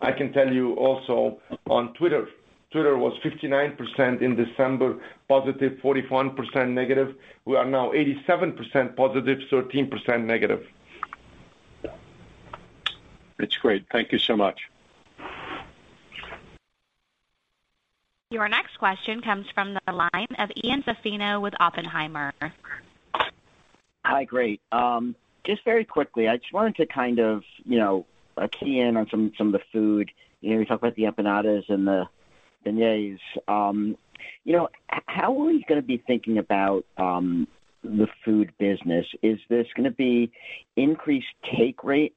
I can tell you also on Twitter. Twitter was 59% positive in December, 41% negative. We are now 87% positive, 13% negative. That's great. Thank you so much. Your next question comes from the line of Ian Zaffino with Oppenheimer. Hi. Great. Just very quickly, I just wanted to kind of, you know, key in on some of the food. You know, you talked about the empanadas and the beignets. You know, how are we going to be thinking about the food business? Is this going to be increased take rate?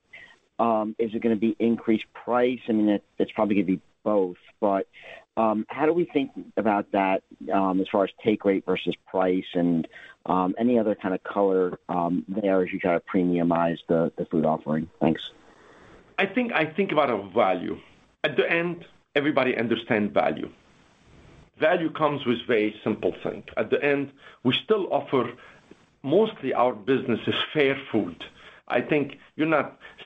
Is it going to be increased price? I mean, it's probably going to be both. How do we think about that as far as take rate versus price and any other kind of color there as you kind of premiumize the food offering? Thanks. I think about a value. At the end, everybody understand value. Value comes with very simple thing. At the end, we still offer. Mostly our business is fair food.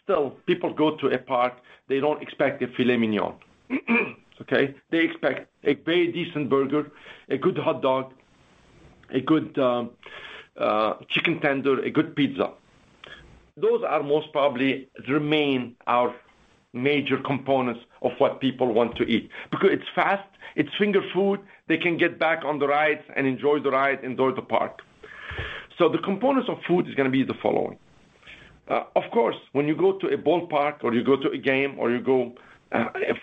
Still, people go to a park, they don't expect a filet mignon. Okay? They expect a very decent burger, a good hot dog, a good chicken tender, a good pizza. Those are most probably remain our major components of what people want to eat because it's fast, it's finger food, they can get back on the rides and enjoy the ride, enjoy the park. The components of food is going to be the following. Of course, when you go to a ballpark or you go to a game or you go,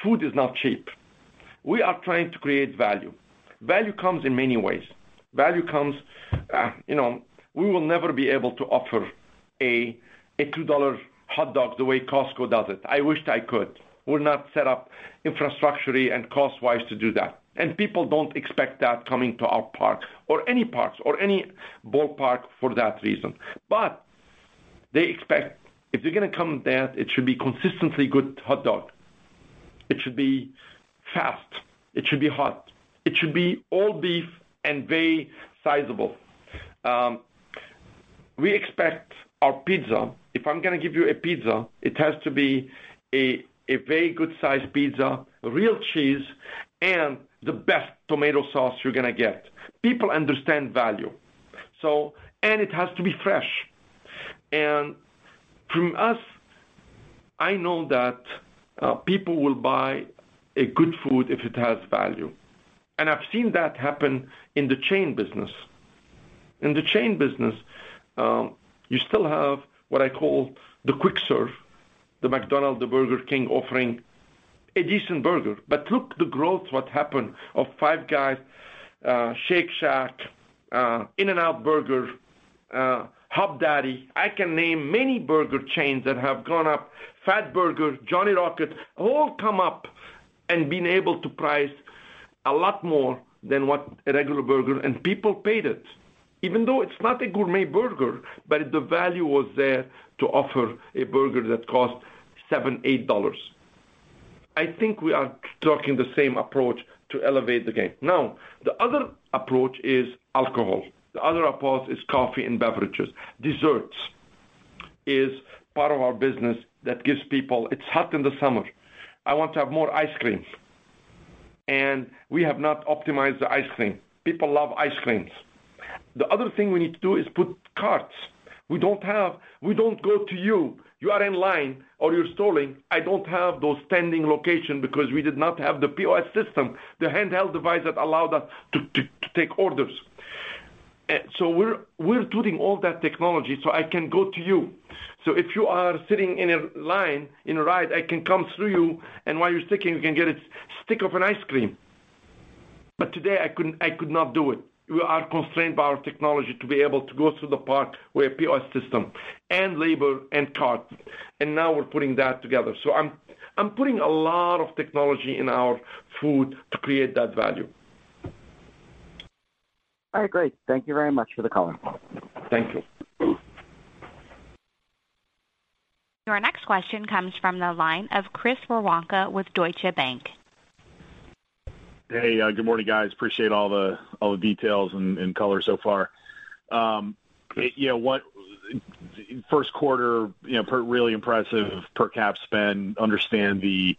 food is not cheap. We are trying to create value. Value comes in many ways. We will never be able to offer a $2 hot dog the way Costco does it. I wished I could. We're not set up infrastructurally and cost-wise to do that. People don't expect that coming to our park or any parks or any ballpark for that reason. They expect if you're going to come there, it should be consistently good hot dog. It should be fast, it should be hot, it should be all beef and very sizable. We expect our pizza. If I'm going to give you a pizza, it has to be a very good sized pizza, real cheese, and the best tomato sauce you're going to get. People understand value, so it has to be fresh. From us, I know that people will buy a good food if it has value. I've seen that happen in the chain business. In the chain business, you still have what I call the quick serve, the McDonald's, the Burger King offering a decent burger. Look at the growth, what happened to Five Guys, Shake Shack, In-N-Out Burger, Hopdoddy. I can name many burger chains that have gone up. Fatburger, Johnny Rockets, all come up and been able to price a lot more than what a regular burger and people paid it. Even though it's not a gourmet burger, but the value was there to offer a burger that cost $7, $8. I think we are talking the same approach to elevate the game. Now, the other approach is alcohol. The other approach is coffee and beverages. Desserts is part of our business that gives people. It's hot in the summer, I want to have more ice cream. We have not optimized the ice cream. People love ice creams. The other thing we need to do is put carts. We don't go to you. You are in line or you're strolling. I don't have those standing locations because we did not have the POS system, the handheld device that allowed us to take orders. We're putting all that technology so I can go to you. If you are standing in a line in a ride, I can come to you, and while you're waiting, you can get a stick of an ice cream. But today, I couldn't, I could not do it. We are constrained by our technology to be able to go through the park where POS system and labor and cart, and now we're putting that together. I'm putting a lot of technology in our food to create that value. All right. Great. Thank you very much for the color. Thank you. Your next question comes from the line of Chris Woronka with Deutsche Bank. Hey, good morning, guys. Appreciate all the details and color so far. Yeah, first quarter, you know, really impressive per capita spend. Understand the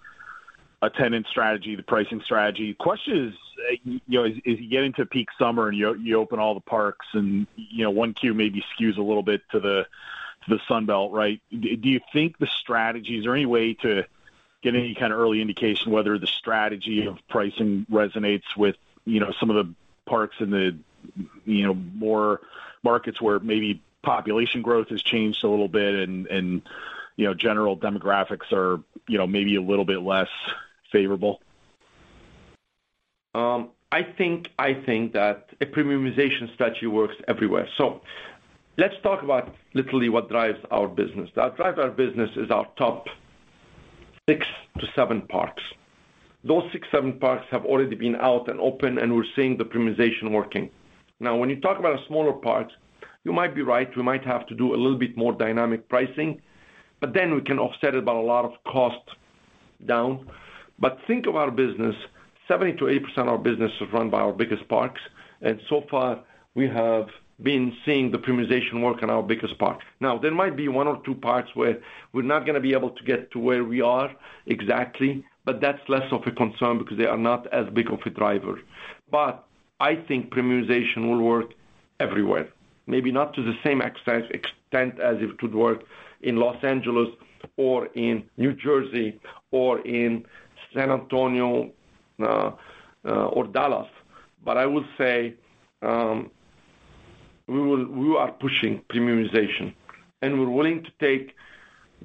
attendance strategy, the pricing strategy. Question is, you know, as you get into peak summer and you open all the parks and, you know, Q1 maybe skews a little bit to the Sun Belt, right? Do you think the strategy? Is there any way to get any kind of early indication whether the strategy of pricing resonates with, you know, some of the parks in the, you know, more markets where maybe population growth has changed a little bit and, you know, general demographics are, you know, maybe a little bit less favorable? I think that a premiumization strategy works everywhere. Let's talk about literally what drives our business. What drives our business is our top six to seven parks. Those six to seven parks have already been out and open, and we're seeing the premiumization working. Now, when you talk about a smaller parks, you might be right. We might have to do a little bit more dynamic pricing, but then we can offset it by a lot of cost down. Think of our business, 70%-80% of our business is run by our biggest parks, and so far we have been seeing the premiumization work in our biggest parks. Now, there might be one or two parks where we're not going to be able to get to where we are exactly, but that's less of a concern because they are not as big of a driver. I think premiumization will work everywhere. Maybe not to the same extent as it could work in Los Angeles or in New Jersey or in San Antonio, or Dallas, but I will say, we are pushing premiumization, and we're willing to take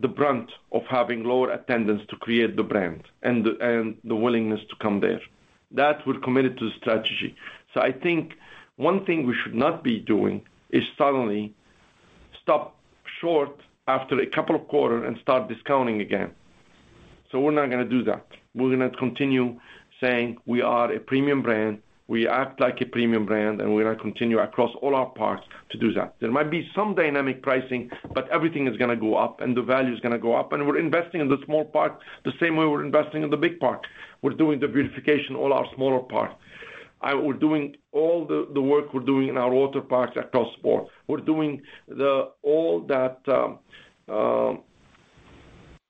the brunt of having lower attendance to create the brand and the willingness to come there. That we're committed to the strategy. I think one thing we should not be doing is suddenly stop short after a couple of quarter and start discounting again. We're not going to do that. We're going to continue saying we are a premium brand, we act like a premium brand, and we're going to continue across all our parks to do that. There might be some dynamic pricing, but everything is going to go up and the value is going to go up. We're investing in the small park the same way we're investing in the big park. We're doing the beautification, all our smaller parks. We're doing all the work we're doing in our water parks across the board. We're doing all that,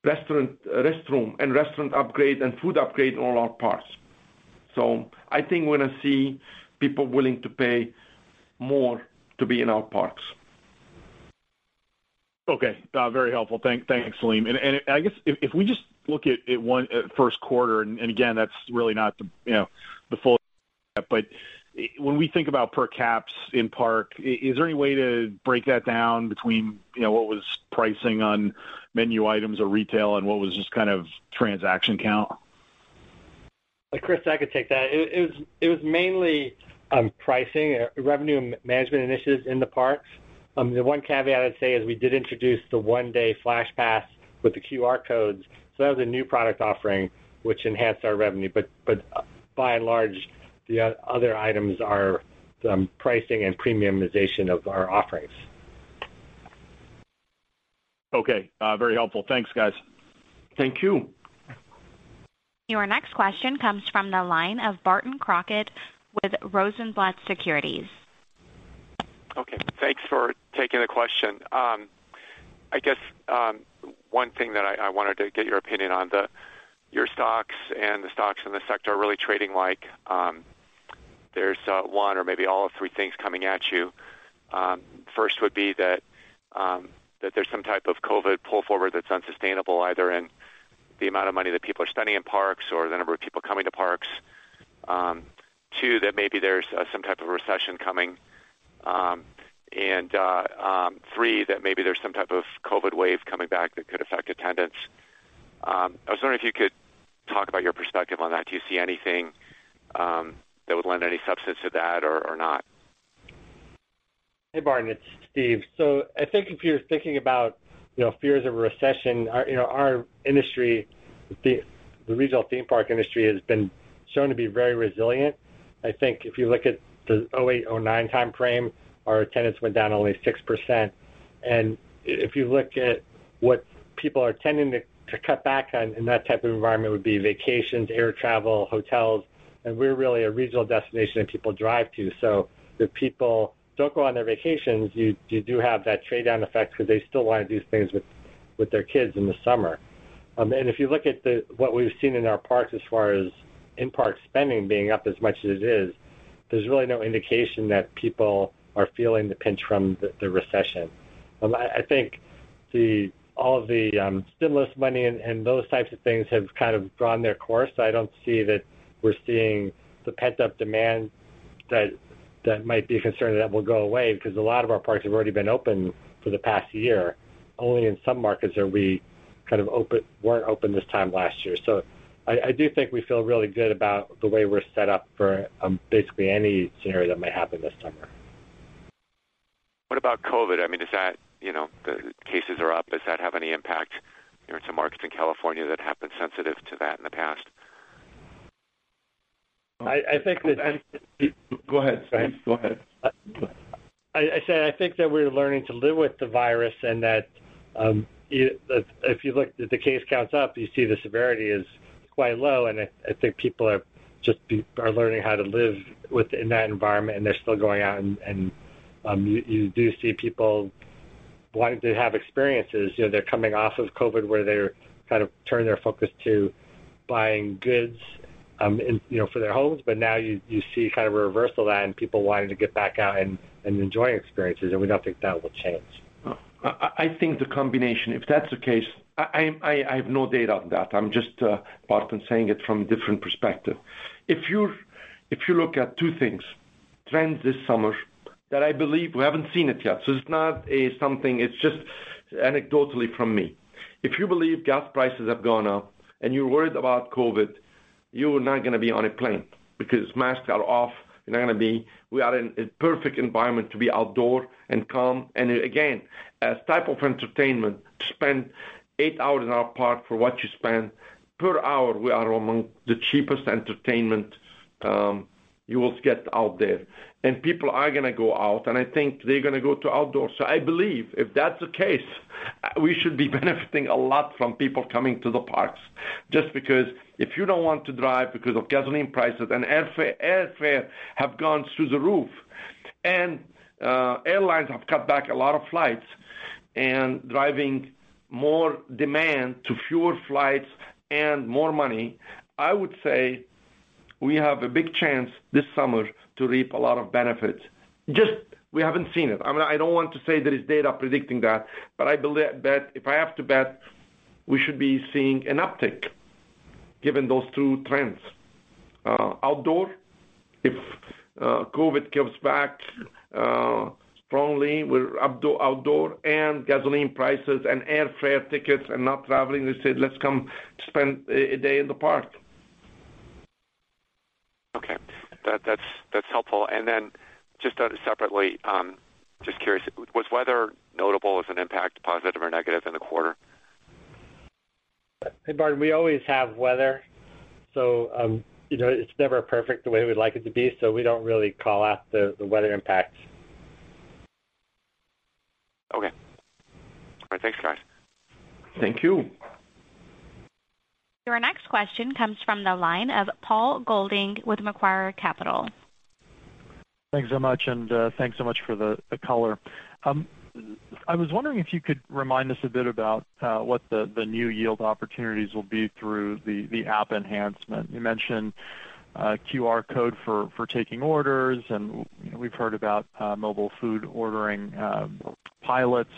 restroom and restaurant upgrade and food upgrade in all our parks. I think we're going to see people willing to pay more to be in our parks. Okay. Very helpful. Thank Selim. I guess if we just look at one first quarter, again, that's really not the full but when we think about per capita in park, is there any way to break that down between, you know, what was pricing on menu items or retail and what was just kind of transaction count? Chris, I could take that. It was mainly pricing, revenue management initiatives in the parks. The one caveat I'd say is we did introduce the one-day Flash Pass. With the QR codes. That was a new product offering which enhanced our revenue. By and large, the other items are pricing and premiumization of our offerings. Okay. Very helpful. Thanks, guys. Thank you. Your next question comes from the line of Barton Crockett with Rosenblatt Securities. Okay. Thanks for taking the question. I guess one thing that I wanted to get your opinion on, your stocks and the stocks in the sector are really trading like there's one or maybe all of three things coming at you. First would be that that there's some type of COVID pull forward that's unsustainable, either in the amount of money that people are spending in parks or the number of people coming to parks. Two, that maybe there's some type of recession coming. Three, that maybe there's some type of COVID wave coming back that could affect attendance. I was wondering if you could talk about your perspective on that. Do you see anything that would lend any substance to that or not? Hey, Barton, it's Steve. I think if you're thinking about, you know, fears of a recession, our, you know, our industry, the regional theme park industry has been shown to be very resilient. I think if you look at the 2008, 2009 timeframe, our attendance went down only 6%. If you look at what people are tending to cut back on in that type of environment would be vacations, air travel, hotels, and we're really a regional destination that people drive to. If people don't go on their vacations, you do have that trade-down effect because they still want to do things with their kids in the summer. If you look at what we've seen in our parks as far as in-park spending being up as much as it is, there's really no indication that people are feeling the pinch from the recession. I think all of the stimulus money and those types of things have kind of drawn their course. I don't see that we're seeing the pent-up demand that might be a concern that will go away because a lot of our parks have already been open for the past year. Only in some markets are we kind of weren't open this time last year. I do think we feel really good about the way we're set up for basically any scenario that may happen this summer. What about COVID? I mean, is that, you know, the cases are up? Does that have any impact? There are some markets in California that have been sensitive to that in the past. Go ahead, Steve. Go ahead. I said I think that we're learning to live with the virus and that, if you look, the case count's up, you see the severity is quite low. I think people are just learning how to live in that environment, and they're still going out and you do see people wanting to have experiences. You know, they're coming off of COVID, where they're kind of turning their focus to buying goods, in, you know, for their homes. Now you see kind of a reversal of that and people wanting to get back out and enjoy experiences, and we don't think that will change. I think the combination, if that's the case, I have no data on that. I'm just Barton saying it from different perspective. If you look at two things, trends this summer that I believe we haven't seen it yet, so it's not something, it's just anecdotally from me. If you believe gas prices have gone up and you're worried about COVID, you're not going to be on a plane because masks are off. You're not going to be. We are in a perfect environment to be outdoor and calm. Again, as type of entertainment, to spend eight hours in our park for what you spend per hour, we are among the cheapest entertainment you will get out there. People are going to go out, and I think they're going to go to outdoors. I believe if that's the case, we should be benefiting a lot from people coming to the parks. Just because if you don't want to drive because of gasoline prices and airfare has gone through the roof, and airlines have cut back a lot of flights and driving more demand to fewer flights and more money. I would say we have a big chance this summer to reap a lot of benefits. Just we haven't seen it. I mean, I don't want to say there is data predicting that, but that if I have to bet, we should be seeing an uptick given those two trends. Outdoor, if COVID comes back strongly with outdoor and gasoline prices and airfare tickets and not traveling, they said, "Let's come spend a day in the park. Okay. That's helpful. Just separately, just curious, was weather notable as an impact, positive or negative in the quarter? Hey, Barton, we always have weather, so, you know, it's never perfect the way we'd like it to be, so we don't really call out the weather impacts. Okay. All right. Thanks, guys. Thank you. Your next question comes from the line of Paul Golding with Macquarie Capital. Thanks so much, and thanks so much for the color. I was wondering if you could remind us a bit about what the new yield opportunities will be through the app enhancement. You mentioned a QR code for taking orders, and we've heard about mobile food ordering pilots.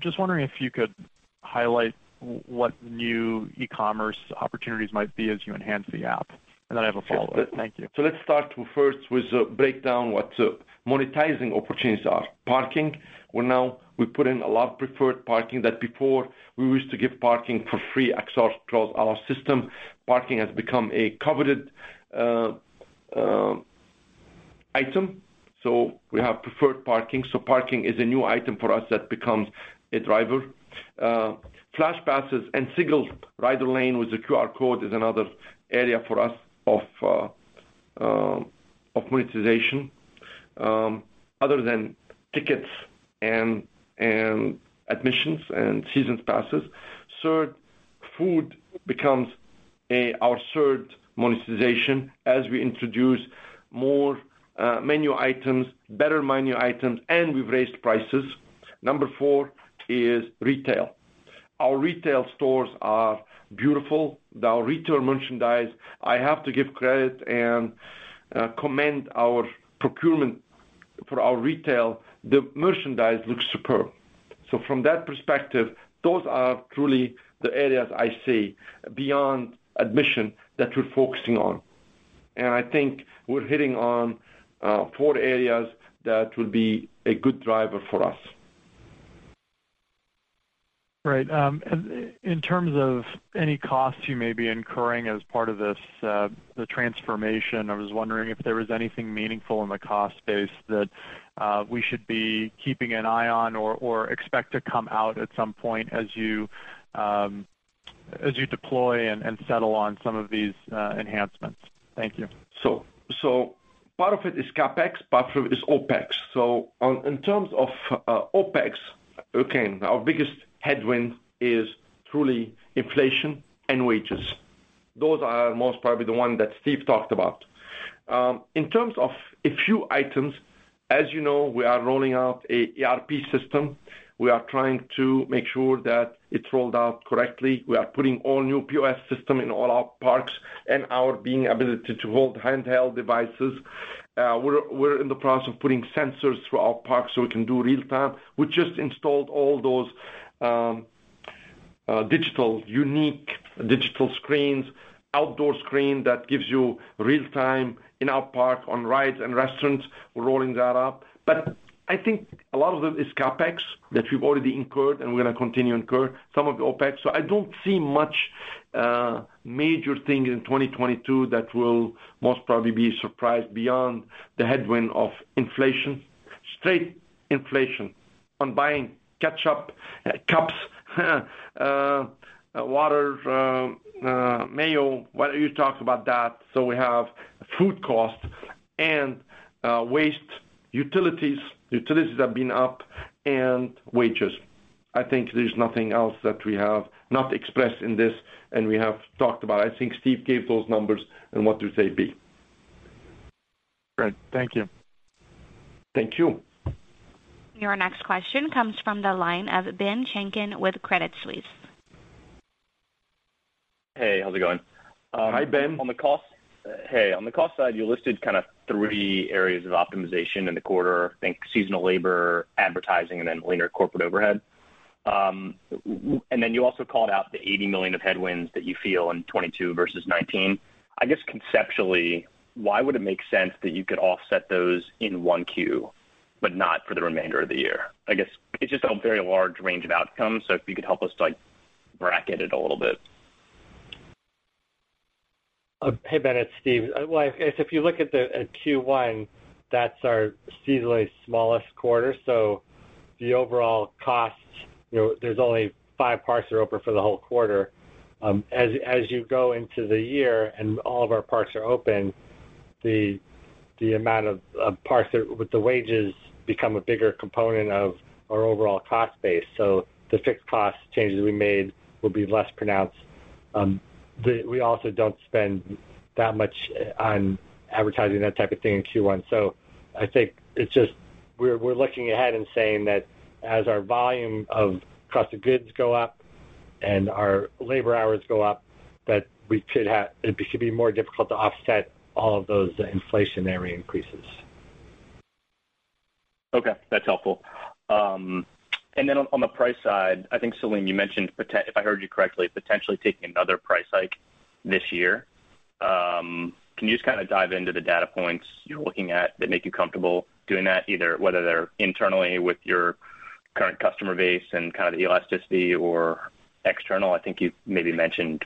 Just wondering if you could highlight what new e-commerce opportunities might be as you enhance the app. I have a follow-up. Thank you. Let's start first with the breakdown what the monetizing opportunities are. Parking, we put in a lot of preferred parking that before we used to give parking for free across our system. Parking has become a coveted item. Parking is a new item for us that becomes a driver. Flash Passes and single rider lane with the QR code is another area for us of monetization other than tickets and admissions and season passes. Third, food becomes our third monetization as we introduce more menu items, better menu items, and we've raised prices. Number four is retail. Our retail stores are beautiful. Our retail merchandise, I have to give credit and commend our procurement for our retail. The merchandise looks superb. From that perspective, those are truly the areas I see beyond admission that we're focusing on. I think we're hitting on four areas that will be a good driver for us. Right. In terms of any costs you may be incurring as part of this, the transformation, I was wondering if there was anything meaningful in the cost base that we should be keeping an eye on or expect to come out at some point as you deploy and settle on some of these enhancements. Thank you. Part of it is CapEx, part of it is OpEx. In terms of OpEx, okay, our biggest headwind is truly inflation and wages. Those are most probably the one that Steve talked about. In terms of a few items, as you know, we are rolling out an ERP system. We are trying to make sure that it's rolled out correctly. We are putting all new POS system in all our parks and our ability to hold handheld devices. We're in the process of putting sensors throughout our parks, so we can do real-time. We just installed all those digital unique digital screens, outdoor screen that gives you real-time in our park on rides and restaurants. We're rolling that out. I think a lot of it is CapEx that we've already incurred, and we're going to continue to incur some of the OpEx. I don't see much major thing in 2022 that will most probably be a surprise beyond the headwind of inflation. Straight inflation on buying ketchup, cups, water, mayo. Why don't you talk about that? We have food costs and waste, utilities have been up, and wages. I think there's nothing else that we have not expressed in this, and we have talked about. I think Steve gave those numbers in what you say B. Great. Thank you. Thank you. Your next question comes from the line of Ben Chaiken with Credit Suisse. Hey, how's it going? Hi, Ben. On the cost side, you listed kind of three areas of optimization in the quarter. I think seasonal labor, advertising, and then leaner corporate overhead. You also called out the $80 million of headwinds that you feel in 2022 versus 2019. I guess conceptually, why would it make sense that you could offset those in 1Q, but not for the remainder of the year? I guess it's just a very large range of outcomes, so if you could help us, like, bracket it a little bit. Hey, Ben, it's Steve. Well, if you look at Q1, that's our seasonally smallest quarter. The overall costs, you know, there's only five parks are open for the whole quarter. As you go into the year and all of our parks are open, the amount of parks that with the wages become a bigger component of our overall cost base. The fixed cost changes we made will be less pronounced. We also don't spend that much on advertising, that type of thing in Q1. I think it's just we're looking ahead and saying that as our volume of cost of goods go up and our labor hours go up, that it should be more difficult to offset all of those inflationary increases. Okay, that's helpful. On the price side, I think, Selim, you mentioned if I heard you correctly, potentially taking another price hike this year. Can you just kind of dive into the data points you're looking at that make you comfortable doing that? Either whether they're internally with your current customer base and kind of the elasticity or external. I think you maybe mentioned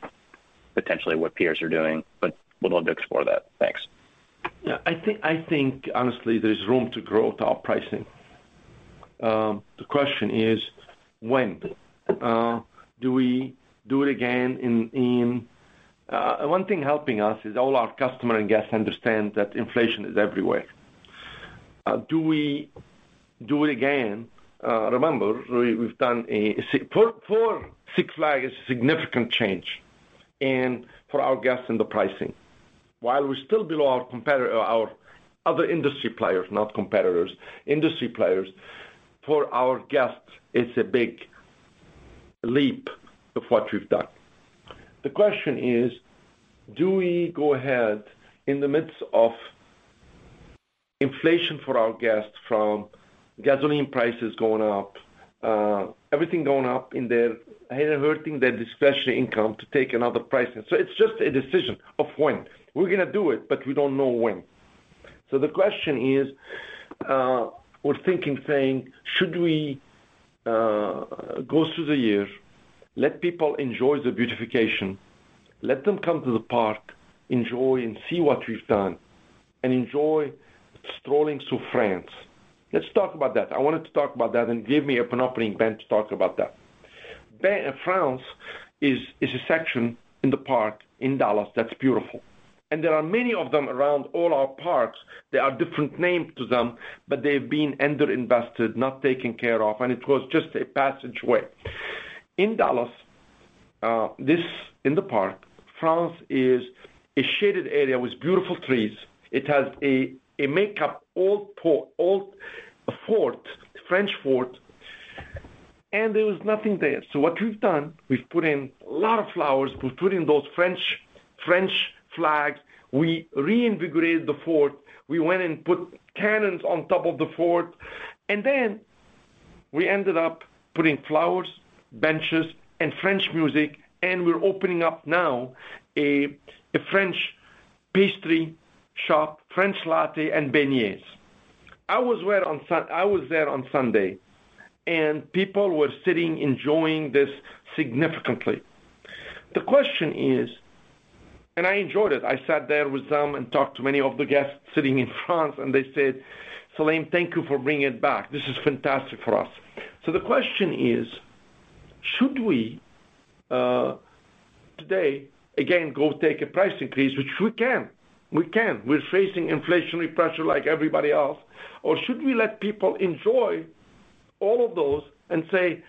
potentially what peers are doing, but would love to explore that. Thanks. Yeah. I think honestly, there's room to grow with our pricing. The question is when. Do we do it again? One thing helping us is all our customers and guests understand that inflation is everywhere. Do we do it again? Remember, we've done a significant change for Six Flags, and for our guests and the pricing. While we're still below our other industry players, not competitors, industry players, for our guests, it's a big leap of what we've done. The question is, do we go ahead in the midst of inflation for our guests from gasoline prices going up, everything going up hurting their discretionary income to take another pricing. It's just a decision of when. We're going to do it, but we don't know when. The question is, we're thinking, saying, should we go through the year, let people enjoy the beautification. Let them come to the park, enjoy and see what we've done, and enjoy strolling through France. Let's talk about that. I wanted to talk about that and give me an opening, Ben to talk about that. France is a section in the park in Dallas that's beautiful. There are many of them around all our parks. There are different name to them, but they've been underinvested, not taken care of, and it was just a passageway. In Dallas, this in the park, France is a shaded area with beautiful trees. It has a makeup old fort, French fort, and there was nothing there. What we've done, we've put in a lot of flowers. We've put in those French flags. We reinvigorated the fort. We went and put cannons on top of the fort, and then we ended up putting flowers, benches, and French music, and we're opening up now a French pastry shop, French latte and beignets. I was there on Sunday, and people were sitting, enjoying this significantly. The question is. I enjoyed it. I sat there with them and talked to many of the guests sitting in France, and they said, "Selim, thank you for bringing it back. This is fantastic for us." The question is, should we today, again, go take a price increase, which we can. We're facing inflationary pressure like everybody else. Should we let people enjoy all of those and say,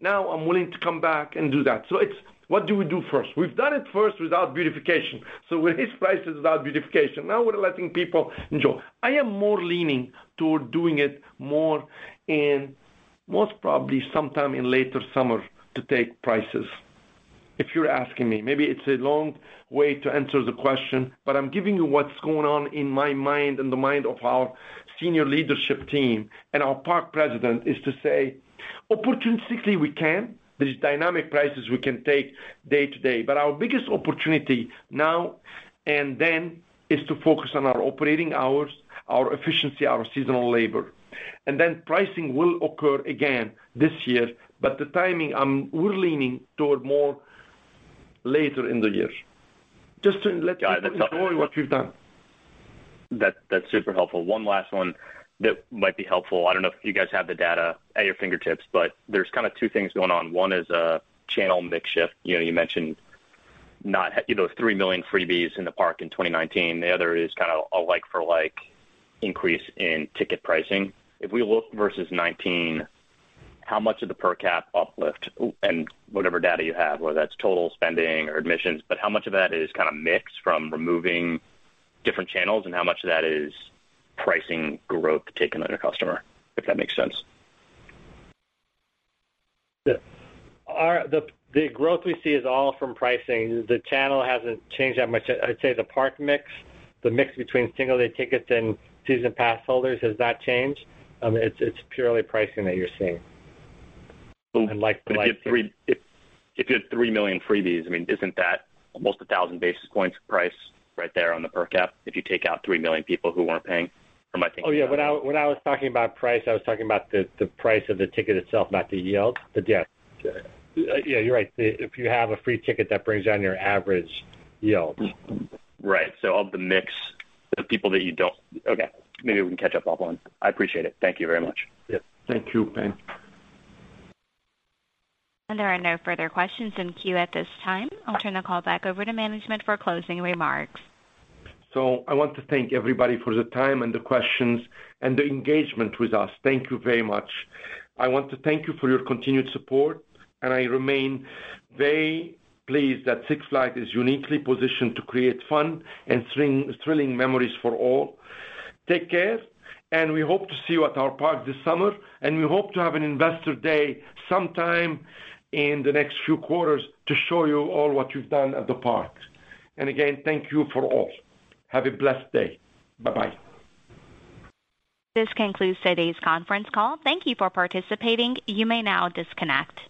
"Now I'm willing to come back and do that." It's what do we do first? We've done it first without beautification. We raised prices without beautification. Now we're letting people enjoy. I am more leaning toward doing it more in most probably sometime in later summer to take prices if you're asking me, maybe it's a long way to answer the question, but I'm giving you what's going on in my mind and the mind of our senior leadership team and our park president is to say, opportunistically we can. There is dynamic prices we can take day to day. Our biggest opportunity now and then is to focus on our operating hours, our efficiency, our seasonal labor. Pricing will occur again this year. The timing, we're leaning toward more later in the year. Just to let people enjoy what we've done. That, that's super helpful. One last one that might be helpful. I don't know if you guys have the data at your fingertips, but there's kind of two things going on. One is a channel mix shift. You know, you mentioned not, you know, 3 million freebies in the park in 2019. The other is kind of a like for like increase in ticket pricing. If we look versus 2019, how much of the per cap uplift and whatever data you have, whether that's total spending or admissions, but how much of that is kind of mix from removing different channels and how much of that is pricing growth taken on your customer, if that makes sense? The growth we see is all from pricing. The channel hasn't changed that much. I'd say the park mix, the mix between single day tickets and season pass holders has not changed. It's purely pricing that you're seeing. If you had 3 million freebies, I mean, isn't that almost 1,000 basis points price right there on the per capita if you take out 3 million people who weren't paying? Am I thinking about it? Yeah. When I was talking about price, I was talking about the price of the ticket itself, not the yield. Yeah. You're right. If you have a free ticket, that brings down your average yield. Right. Okay, maybe we can catch up offline. I appreciate it. Thank you very much. Yeah. Thank you, Ben. There are no further questions in queue at this time. I'll turn the call back over to management for closing remarks. I want to thank everybody for the time and the questions and the engagement with us. Thank you very much. I want to thank you for your continued support, and I remain very pleased that Six Flags is uniquely positioned to create fun and thrilling memories for all. Take care, and we hope to see you at our park this summer, and we hope to have an investor day sometime in the next few quarters to show you all what you've done at the parks. Again, thank you for all. Have a blessed day. Bye-bye. This concludes today's conference call. Thank you for participating. You may now disconnect.